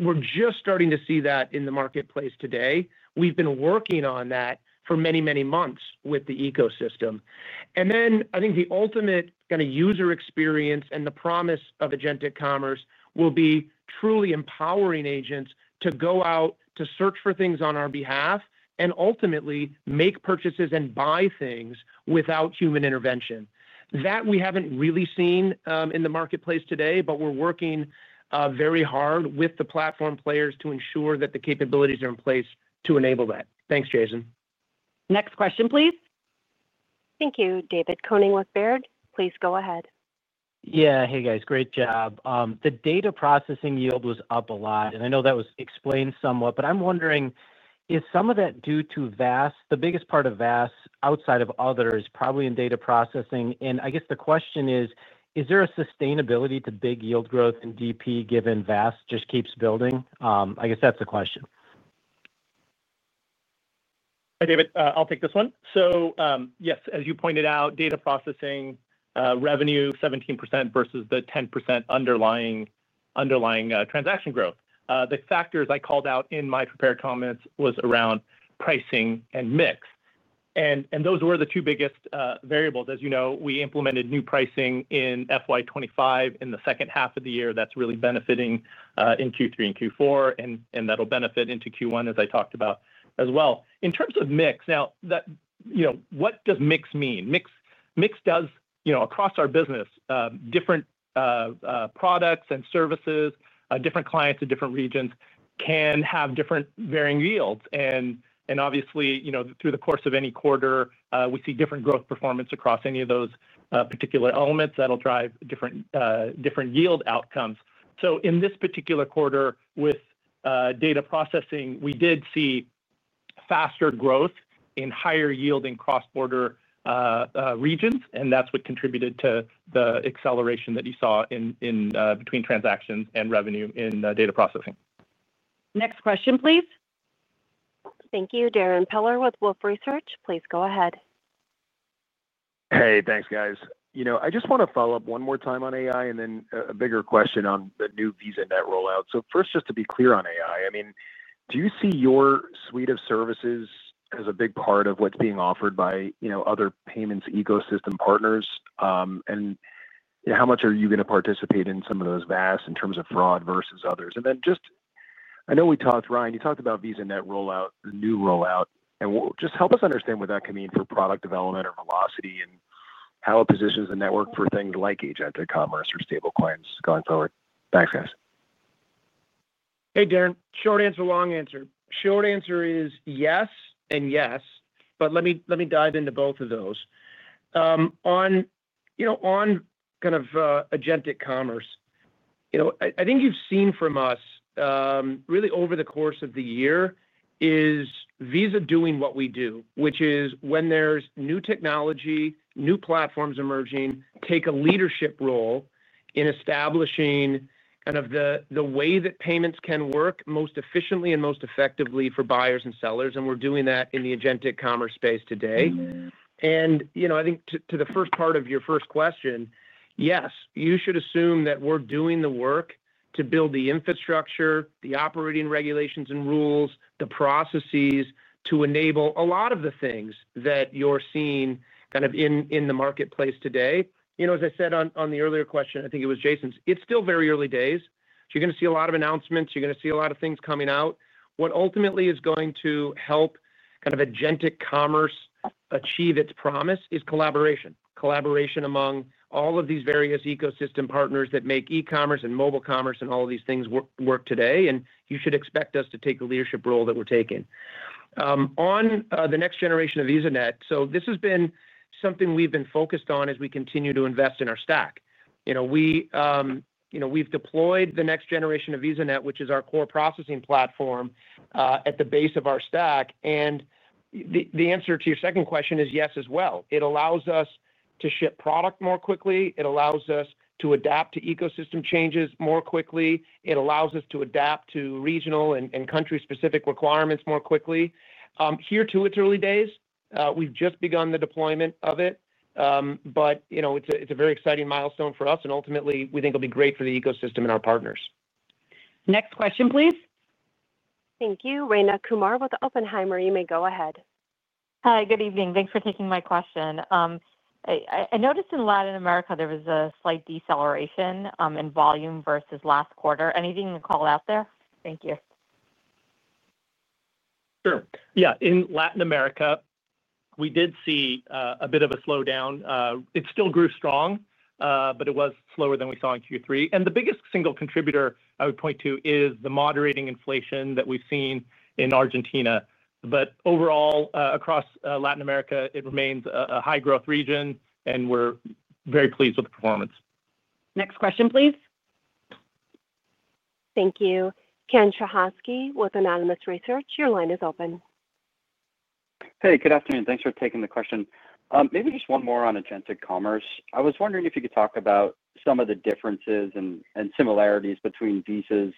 We're just starting to see that in the marketplace today. We've been working on that for many, many months with the ecosystem. I think the ultimate kind of user experience and the promise of agentic commerce will be truly empowering agents to go out to search for things on our behalf and ultimately make purchases and buy things without human intervention. That we haven't really seen in the marketplace today, but we're working very hard with the platform players to ensure that the capabilities are in place to enable that. Thanks, Jason. Next question, please. Thank you, David. Koning with Baird. Please go ahead. Yeah, hey guys, great job. The data processing yield was up a lot, and I know that was explained somewhat, but I'm wondering, is some of that due to VAS? The biggest part of VAS outside of others is probably in data processing. I guess the question is, is there a sustainability to big yield growth in DP given VAS just keeps building? I guess that's the question. Hi, David. I'll take this one. Yes, as you pointed out, data processing revenue 17% versus the 10% underlying transaction growth. The factors I called out in my prepared comments were around pricing and mix. Those were the two biggest variables. As you know, we implemented new pricing in FY2025 in the second half of the year that's really benefiting in Q3 and Q4, and that'll benefit into Q1, as I talked about as well. In terms of mix, now, you know, what does mix mean? Mix does, you know, across our business, different products and services, different clients in different regions can have different varying yields. Obviously, you know, through the course of any quarter, we see different growth performance across any of those particular elements that'll drive different yield outcomes. In this particular quarter, with data processing, we did see faster growth in higher yield in cross-border regions, and that's what contributed to the acceleration that you saw in between transactions and revenue in data processing. Next question, please. Thank you. Darrin Peller with Wolfe Research. Please go ahead. Hey, thanks, guys. I just want to follow up one more time on AI and then a bigger question on the new VisaNet rollout. First, just to be clear on AI, do you see your suite of services as a big part of what's being offered by other payments ecosystem partners? How much are you going to participate in some of those VAS in terms of fraud versus others? I know we talked, Ryan, you talked about VisaNet rollout, the new rollout, and just help us understand what that could mean for product development or velocity and how it positions the network for things like agentic commerce or stablecoins going forward. Thanks, guys. Hey guys. Hey, Darren. Short answer, long answer. Short answer is yes and yes, but let me dive into both of those. On, you know, on kind of agentic commerce, I think you've seen from us, really over the course of the year, is Visa doing what we do, which is when there's new technology, new platforms emerging, take a leadership role in establishing the way that payments can work most efficiently and most effectively for buyers and sellers, and we're doing that in the agentic commerce space today. I think to the first part of your first question, yes, you should assume that we're doing the work to build the infrastructure, the operating regulations and rules, the processes to enable a lot of the things that you're seeing in the marketplace today. As I said on the earlier question, I think it was Jason's, it's still very early days. You're going to see a lot of announcements. You're going to see a lot of things coming out. What ultimately is going to help agentic commerce achieve its promise is collaboration, collaboration among all of these various ecosystem partners that make e-commerce and mobile commerce and all of these things work today, and you should expect us to take the leadership role that we're taking. On the next generation of VisaNet, this has been something we've been focused on as we continue to invest in our stack. We've deployed the next generation of VisaNet, which is our core processing platform at the base of our stack, and the answer to your second question is yes as well. It allows us to ship product more quickly. It allows us to adapt to ecosystem changes more quickly. It allows us to adapt to regional and country-specific requirements more quickly. Here, too, it's early days. We've just begun the deployment of it, but it's a very exciting milestone for us, and ultimately, we think it'll be great for the ecosystem and our partners. Next question, please. Thank you. Reyna Kumar with Oppenheimer. You may go ahead. Hi, good evening. Thanks for taking my question. I noticed in Latin America there was a slight deceleration in volume versus last quarter. Anything to call out there? Thank you. Sure. Yeah, in Latin America, we did see a bit of a slowdown. It still grew strong, but it was slower than we saw in Q3. The biggest single contributor I would point to is the moderating inflation that we've seen in Argentina. Overall, across Latin America, it remains a high-growth region, and we're very pleased with the performance. Next question, please. Thank you. Ken Szychowski with Anonymous Research. Your line is open. Hey, good afternoon. Thanks for taking the question. Maybe just one more on agentic commerce. I was wondering if you could talk about some of the differences and similarities between Visa's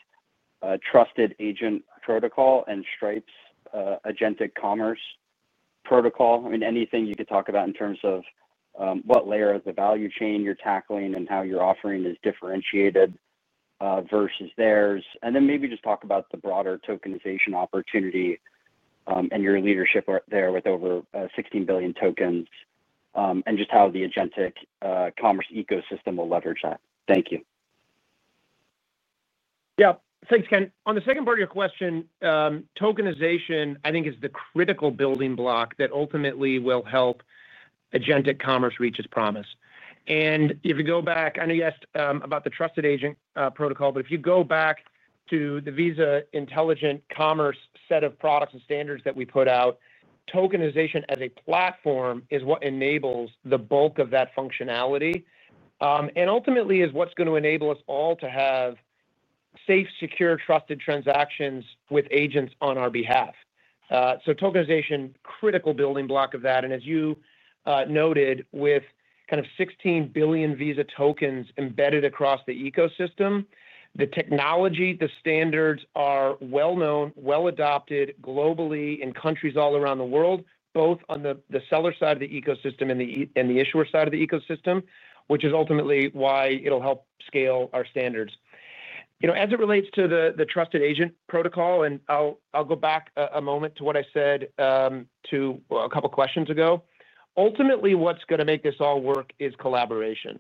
Trusted Agent Protocol and Stripe's agentic commerce protocol. I mean, anything you could talk about in terms of what layer of the value chain you're tackling and how your offering is differentiated versus theirs. Maybe just talk about the broader tokenization opportunity and your leadership there with over 16 billion tokens and just how the agentic commerce ecosystem will leverage that. Thank you. Yeah, thanks, Ken. On the second part of your question, tokenization, I think, is the critical building block that ultimately will help agentic commerce reach its promise. If you go back, I know you asked about the Visa Trusted Agent Protocol, but if you go back to the Visa Intelligent Commerce set of products and standards that we put out, tokenization as a platform is what enables the bulk of that functionality and ultimately is what's going to enable us all to have safe, secure, trusted transactions with agents on our behalf. Tokenization is a critical building block of that. As you noted, with kind of 16 billion Visa tokens embedded across the ecosystem, the technology and the standards are well-known, well-adopted globally in countries all around the world, both on the seller side of the ecosystem and the issuer side of the ecosystem, which is ultimately why it'll help scale our standards. As it relates to the Visa Trusted Agent Protocol, and I'll go back a moment to what I said to a couple of questions ago, ultimately, what's going to make this all work is collaboration.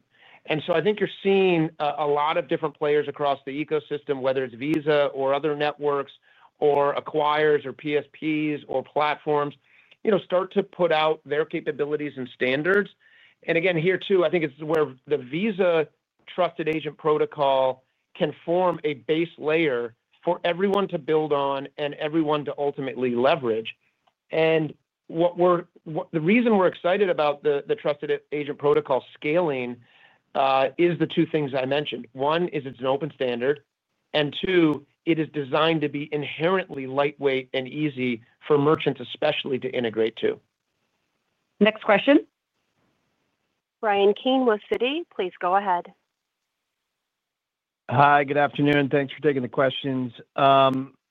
I think you're seeing a lot of different players across the ecosystem, whether it's Visa or other networks or acquirers or PSPs or platforms, start to put out their capabilities and standards. Here too, I think it's where the Visa Trusted Agent Protocol can form a base layer for everyone to build on and everyone to ultimately leverage. The reason we're excited about the Visa Trusted Agent Protocol scaling is the two things I mentioned. One is it's an open standard, and two, it is designed to be inherently lightweight and easy for merchants especially to integrate to. Next question. Brian Keane with Citi, please go ahead. Hi, good afternoon. Thanks for taking the questions.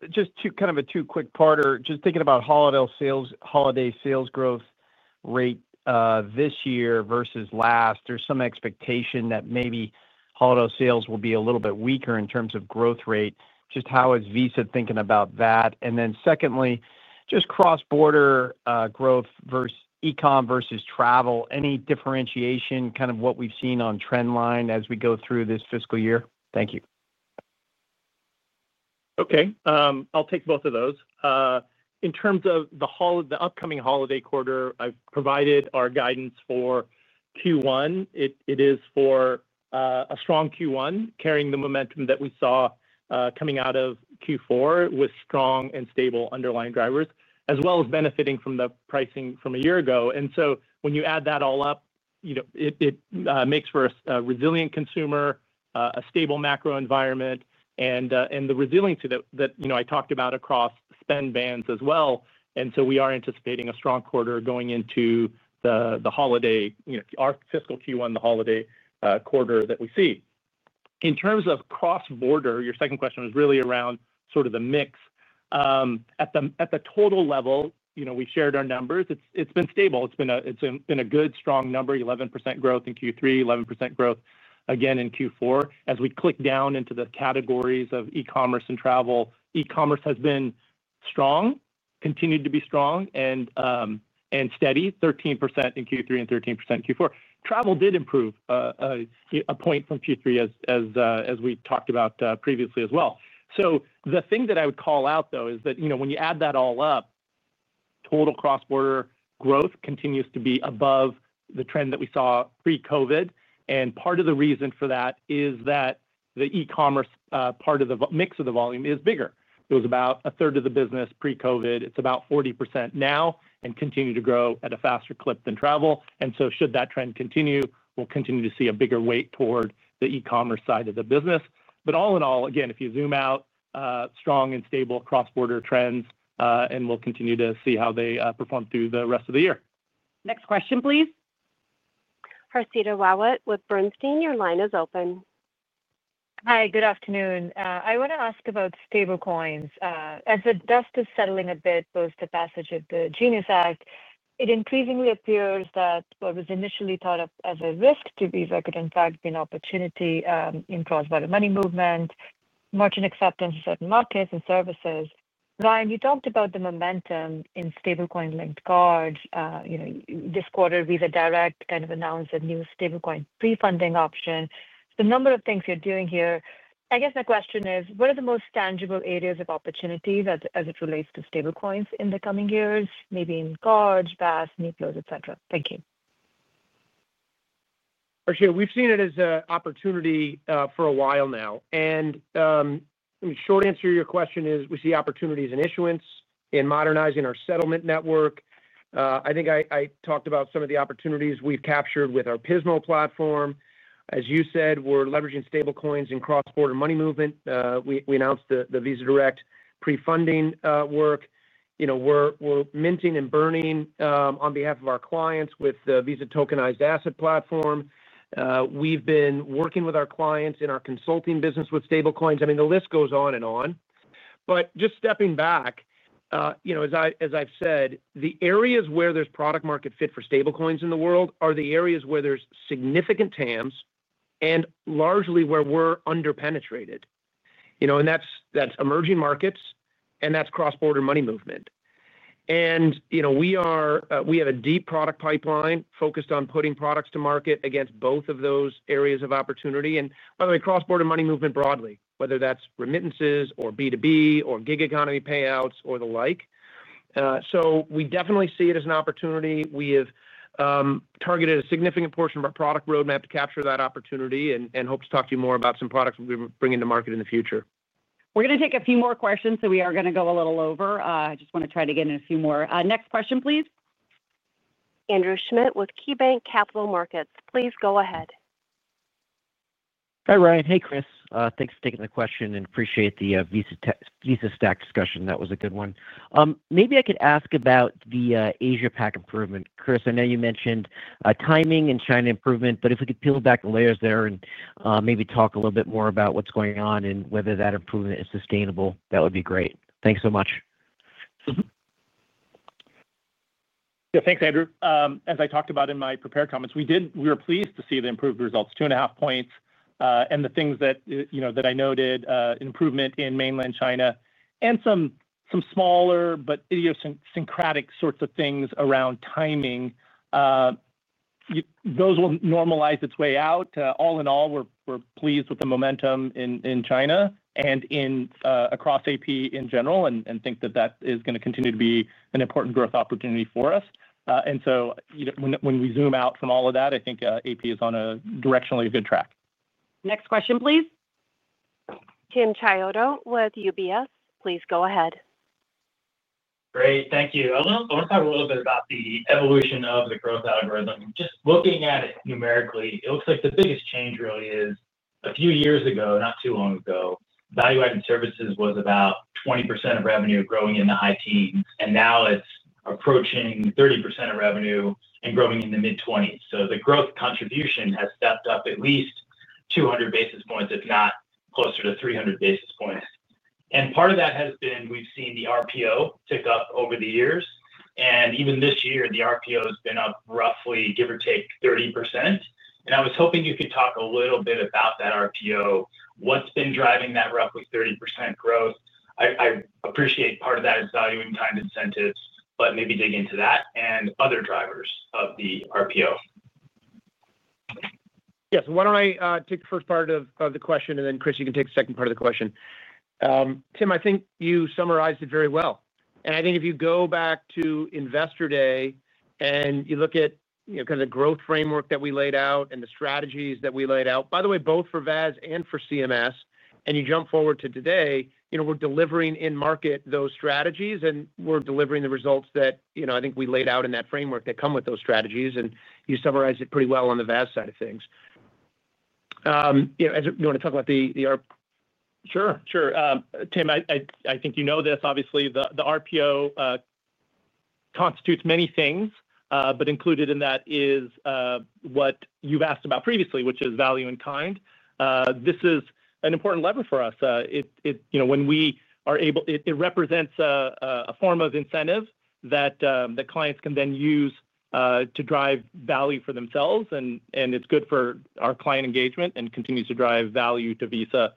Just kind of a two-quick parter, just thinking about holiday sales growth rate this year versus last. There's some expectation that maybe holiday sales will be a little bit weaker in terms of growth rate. How is Visa thinking about that? Secondly, just cross-border growth versus e-com versus travel, any differentiation, kind of what we've seen on trend line as we go through this fiscal year? Thank you. Okay. I'll take both of those. In terms of the upcoming holiday quarter, I've provided our guidance for Q1. It is for a strong Q1, carrying the momentum that we saw coming out of Q4 with strong and stable underlying drivers, as well as benefiting from the pricing from a year ago. When you add that all up, it makes for a resilient consumer, a stable macro environment, and the resiliency that I talked about across spend bands as well. We are anticipating a strong quarter going into the holiday, our fiscal Q1, the holiday quarter that we see. In terms of cross-border, your second question was really around sort of the mix. At the total level, we shared our numbers. It's been stable. It's been a good, strong number, 11% growth in Q3, 11% growth again in Q4. As we click down into the categories of e-commerce and travel, e-commerce has been strong, continued to be strong and steady, 13% in Q3 and 13% in Q4. Travel did improve a point from Q3, as we talked about previously as well. The thing that I would call out, though, is that when you add that all up, total cross-border growth continues to be above the trend that we saw pre-COVID. Part of the reason for that is that the e-commerce part of the mix of the volume is bigger. It was about a third of the business pre-COVID. It's about 40% now and continues to grow at a faster clip than travel. Should that trend continue, we'll continue to see a bigger weight toward the e-commerce side of the business. All in all, again, if you zoom out, strong and stable cross-border trends, and we'll continue to see how they perform through the rest of the year. Next question, please. Harshita Rawat with Bernstein. Your line is open. Hi, good afternoon. I want to ask about stablecoins. As the dust is settling a bit, post the passage of the Genius Act, it increasingly appears that what was initially thought of as a risk to Visa could, in fact, be an opportunity in cross-border money movement, merchant acceptance in certain markets, and services. Ryan, you talked about the momentum in stablecoin-linked cards. This quarter, Visa Direct kind of announced a new stablecoin pre-funding option. It's a number of things you're doing here. I guess my question is, what are the most tangible areas of opportunity as it relates to stablecoins in the coming years, maybe in cards, VAS, new flows, et cetera? Thank you. Harsita, we've seen it as an opportunity for a while now. The short answer to your question is we see opportunities in issuance, in modernizing our settlement network. I think I talked about some of the opportunities we've captured with our Pismo platform. As you said, we're leveraging stablecoins in cross-border money movement. We announced the Visa Direct pre-funding work. We're minting and burning on behalf of our clients with the Visa Tokenized Asset Platform. We've been working with our clients in our consulting business with stablecoins. The list goes on and on. Just stepping back, as I've said, the areas where there's product-market fit for stablecoins in the world are the areas where there's significant TAMs and largely where we're underpenetrated. That's emerging markets, and that's cross-border money movement. We have a deep product pipeline focused on putting products to market against both of those areas of opportunity. By the way, cross-border money movement broadly, whether that's remittances or B2B or gig economy payouts or the like. We definitely see it as an opportunity. We have targeted a significant portion of our product roadmap to capture that opportunity and hope to talk to you more about some products we're bringing to market in the future. We're going to take a few more questions, so we are going to go a little over. I just want to try to get in a few more. Next question, please. Andrew Schmidt with KeyBank Capital Markets, please go ahead. Hi, Ryan. Hey, Chris. Thanks for taking the question and appreciate the Visa stack discussion. That was a good one. Maybe I could ask about the Asia PAC improvement. Chris, I know you mentioned timing and China improvement, but if we could peel back the layers there and maybe talk a little bit more about what's going on and whether that improvement is sustainable, that would be great. Thanks so much. Yeah, thanks, Andrew. As I talked about in my prepared comments, we were pleased to see the improved results, 2.5 points, and the things that I noted, an improvement in mainland China and some smaller, but idiosyncratic sorts of things around timing. Those will normalize its way out. All in all, we're pleased with the momentum in China and across AP in general and think that that is going to continue to be an important growth opportunity for us. When we zoom out from all of that, I think AP is on a directionally good track. Next question, please. Kim Chiotto with UBS. Please go ahead. Great, thank you. I want to talk a little bit about the evolution of the growth algorithm. Just looking at it numerically, it looks like the biggest change really is a few years ago, not too long ago, value-added services was about 20% of revenue growing in the high teens, and now it's approaching 30% of revenue and growing in the mid-20s. The growth contribution has stepped up at least 200 basis points, if not closer to 300 basis points. Part of that has been we've seen the RPO tick up over the years, and even this year, the RPO has been up roughly, give or take, 30%. I was hoping you could talk a little bit about that RPO, what's been driving that roughly 30% growth. I appreciate part of that is value and timed incentives, but maybe dig into that and other drivers of the RPO. Yes, why don't I take the first part of the question, and then Chris, you can take the second part of the question. Tim, I think you summarized it very well. I think if you go back to Investor Day and you look at kind of the growth framework that we laid out and the strategies that we laid out, by the way, both for VAS and for CMS, and you jump forward to today, we're delivering in market those strategies, and we're delivering the results that I think we laid out in that framework that come with those strategies, and you summarized it pretty well on the VAS side of things. You want to talk about the RPO? Sure, sure. Tim, I think you know this, obviously, the RPO constitutes many things, but included in that is what you've asked about previously, which is value and kind. This is an important lever for us. When we are able, it represents a form of incentive that clients can then use to drive value for themselves, and it's good for our client engagement and continues to drive value to Visa,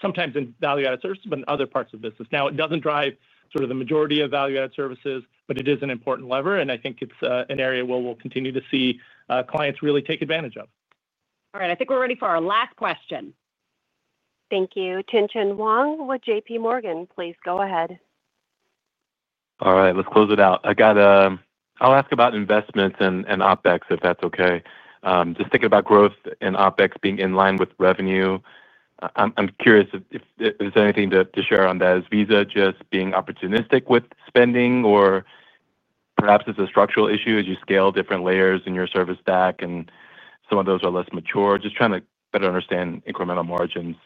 sometimes in value-added services, but in other parts of the business. It doesn't drive sort of the majority of value-added services, but it is an important lever, and I think it's an area where we'll continue to see clients really take advantage of. All right, I think we're ready for our last question. Thank you. Tianchen Wang with JPMorgan. Please go ahead. All right, let's close it out. I'll ask about investments in OpEx, if that's okay. Just thinking about growth in OpEx being in line with revenue, I'm curious if there's anything to share on that as such as being opportunistic with spending or perhaps it's a structural issue as you scale different layers in your service stack, and some of those are less mature. Just trying to better understand incremental margins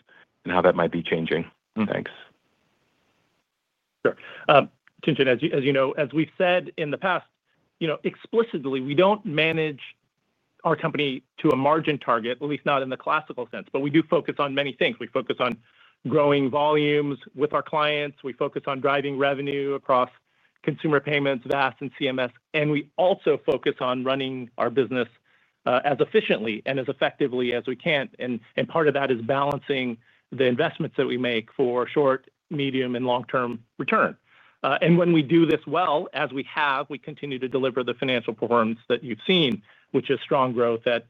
and how that might be changing. Thanks. Sure. As you know, as we've said in the past, you know explicitly, we don't manage our company to a margin target, at least not in the classical sense, but we do focus on many things. We focus on growing volumes with our clients. We focus on driving revenue across consumer payments, VAS, and CMS, and we also focus on running our business as efficiently and as effectively as we can. Part of that is balancing the investments that we make for short, medium, and long-term return. When we do this well, as we have, we continue to deliver the financial performance that you've seen, which is strong growth at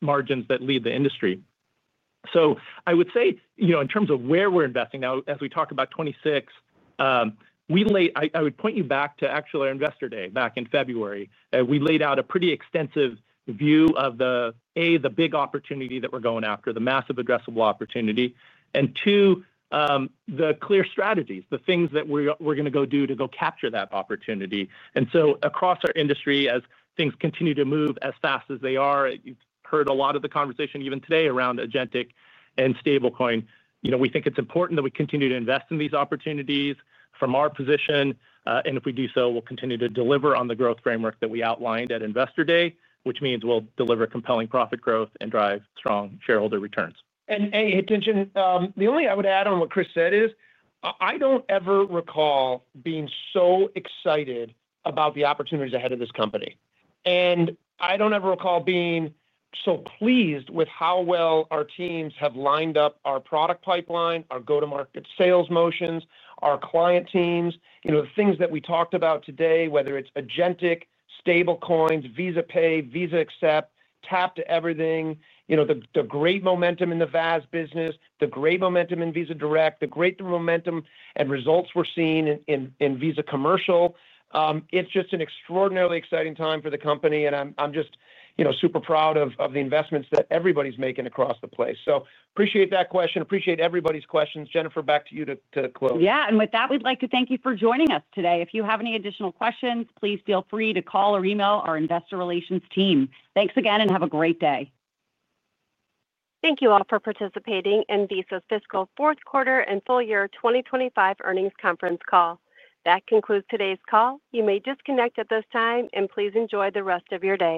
margins that lead the industry. I would say, you know, in terms of where we're investing now, as we talk about 2026, I would point you back to actually our Investor Day back in February. We laid out a pretty extensive view of the, A, the big opportunity that we're going after, the massive addressable opportunity, and two, the clear strategies, the things that we're going to go do to go capture that opportunity. Across our industry, as things continue to move as fast as they are, you've heard a lot of the conversation even today around agentic commerce and stablecoin. We think it's important that we continue to invest in these opportunities from our position. If we do so, we'll continue to deliver on the growth framework that we outlined at Investor Day, which means we'll deliver compelling profit growth and drive strong shareholder returns. The only thing I would add on what Chris said is I don't ever recall being so excited about the opportunities ahead of this company. I don't ever recall being so pleased with how well our teams have lined up our product pipeline, our go-to-market sales motions, our client teams, the things that we talked about today, whether it's agentic, stablecoins, Visa Pay, Visa Accept, Tap to Everything, the great momentum in the VAS business, the great momentum in Visa Direct, the great momentum and results we're seeing in Visa Commercial. It's just an extraordinarily exciting time for the company. I'm just super proud of the investments that everybody's making across the place. I appreciate that question. Appreciate everybody's questions. Jennifer, back to you to close. With that, we'd like to thank you for joining us today. If you have any additional questions, please feel free to call or email our Investor Relations team. Thanks again and have a great day. Thank you all for participating in Visa's fiscal fourth quarter and full year 2025 earnings conference call. That concludes today's call. You may disconnect at this time, and please enjoy the rest of your day.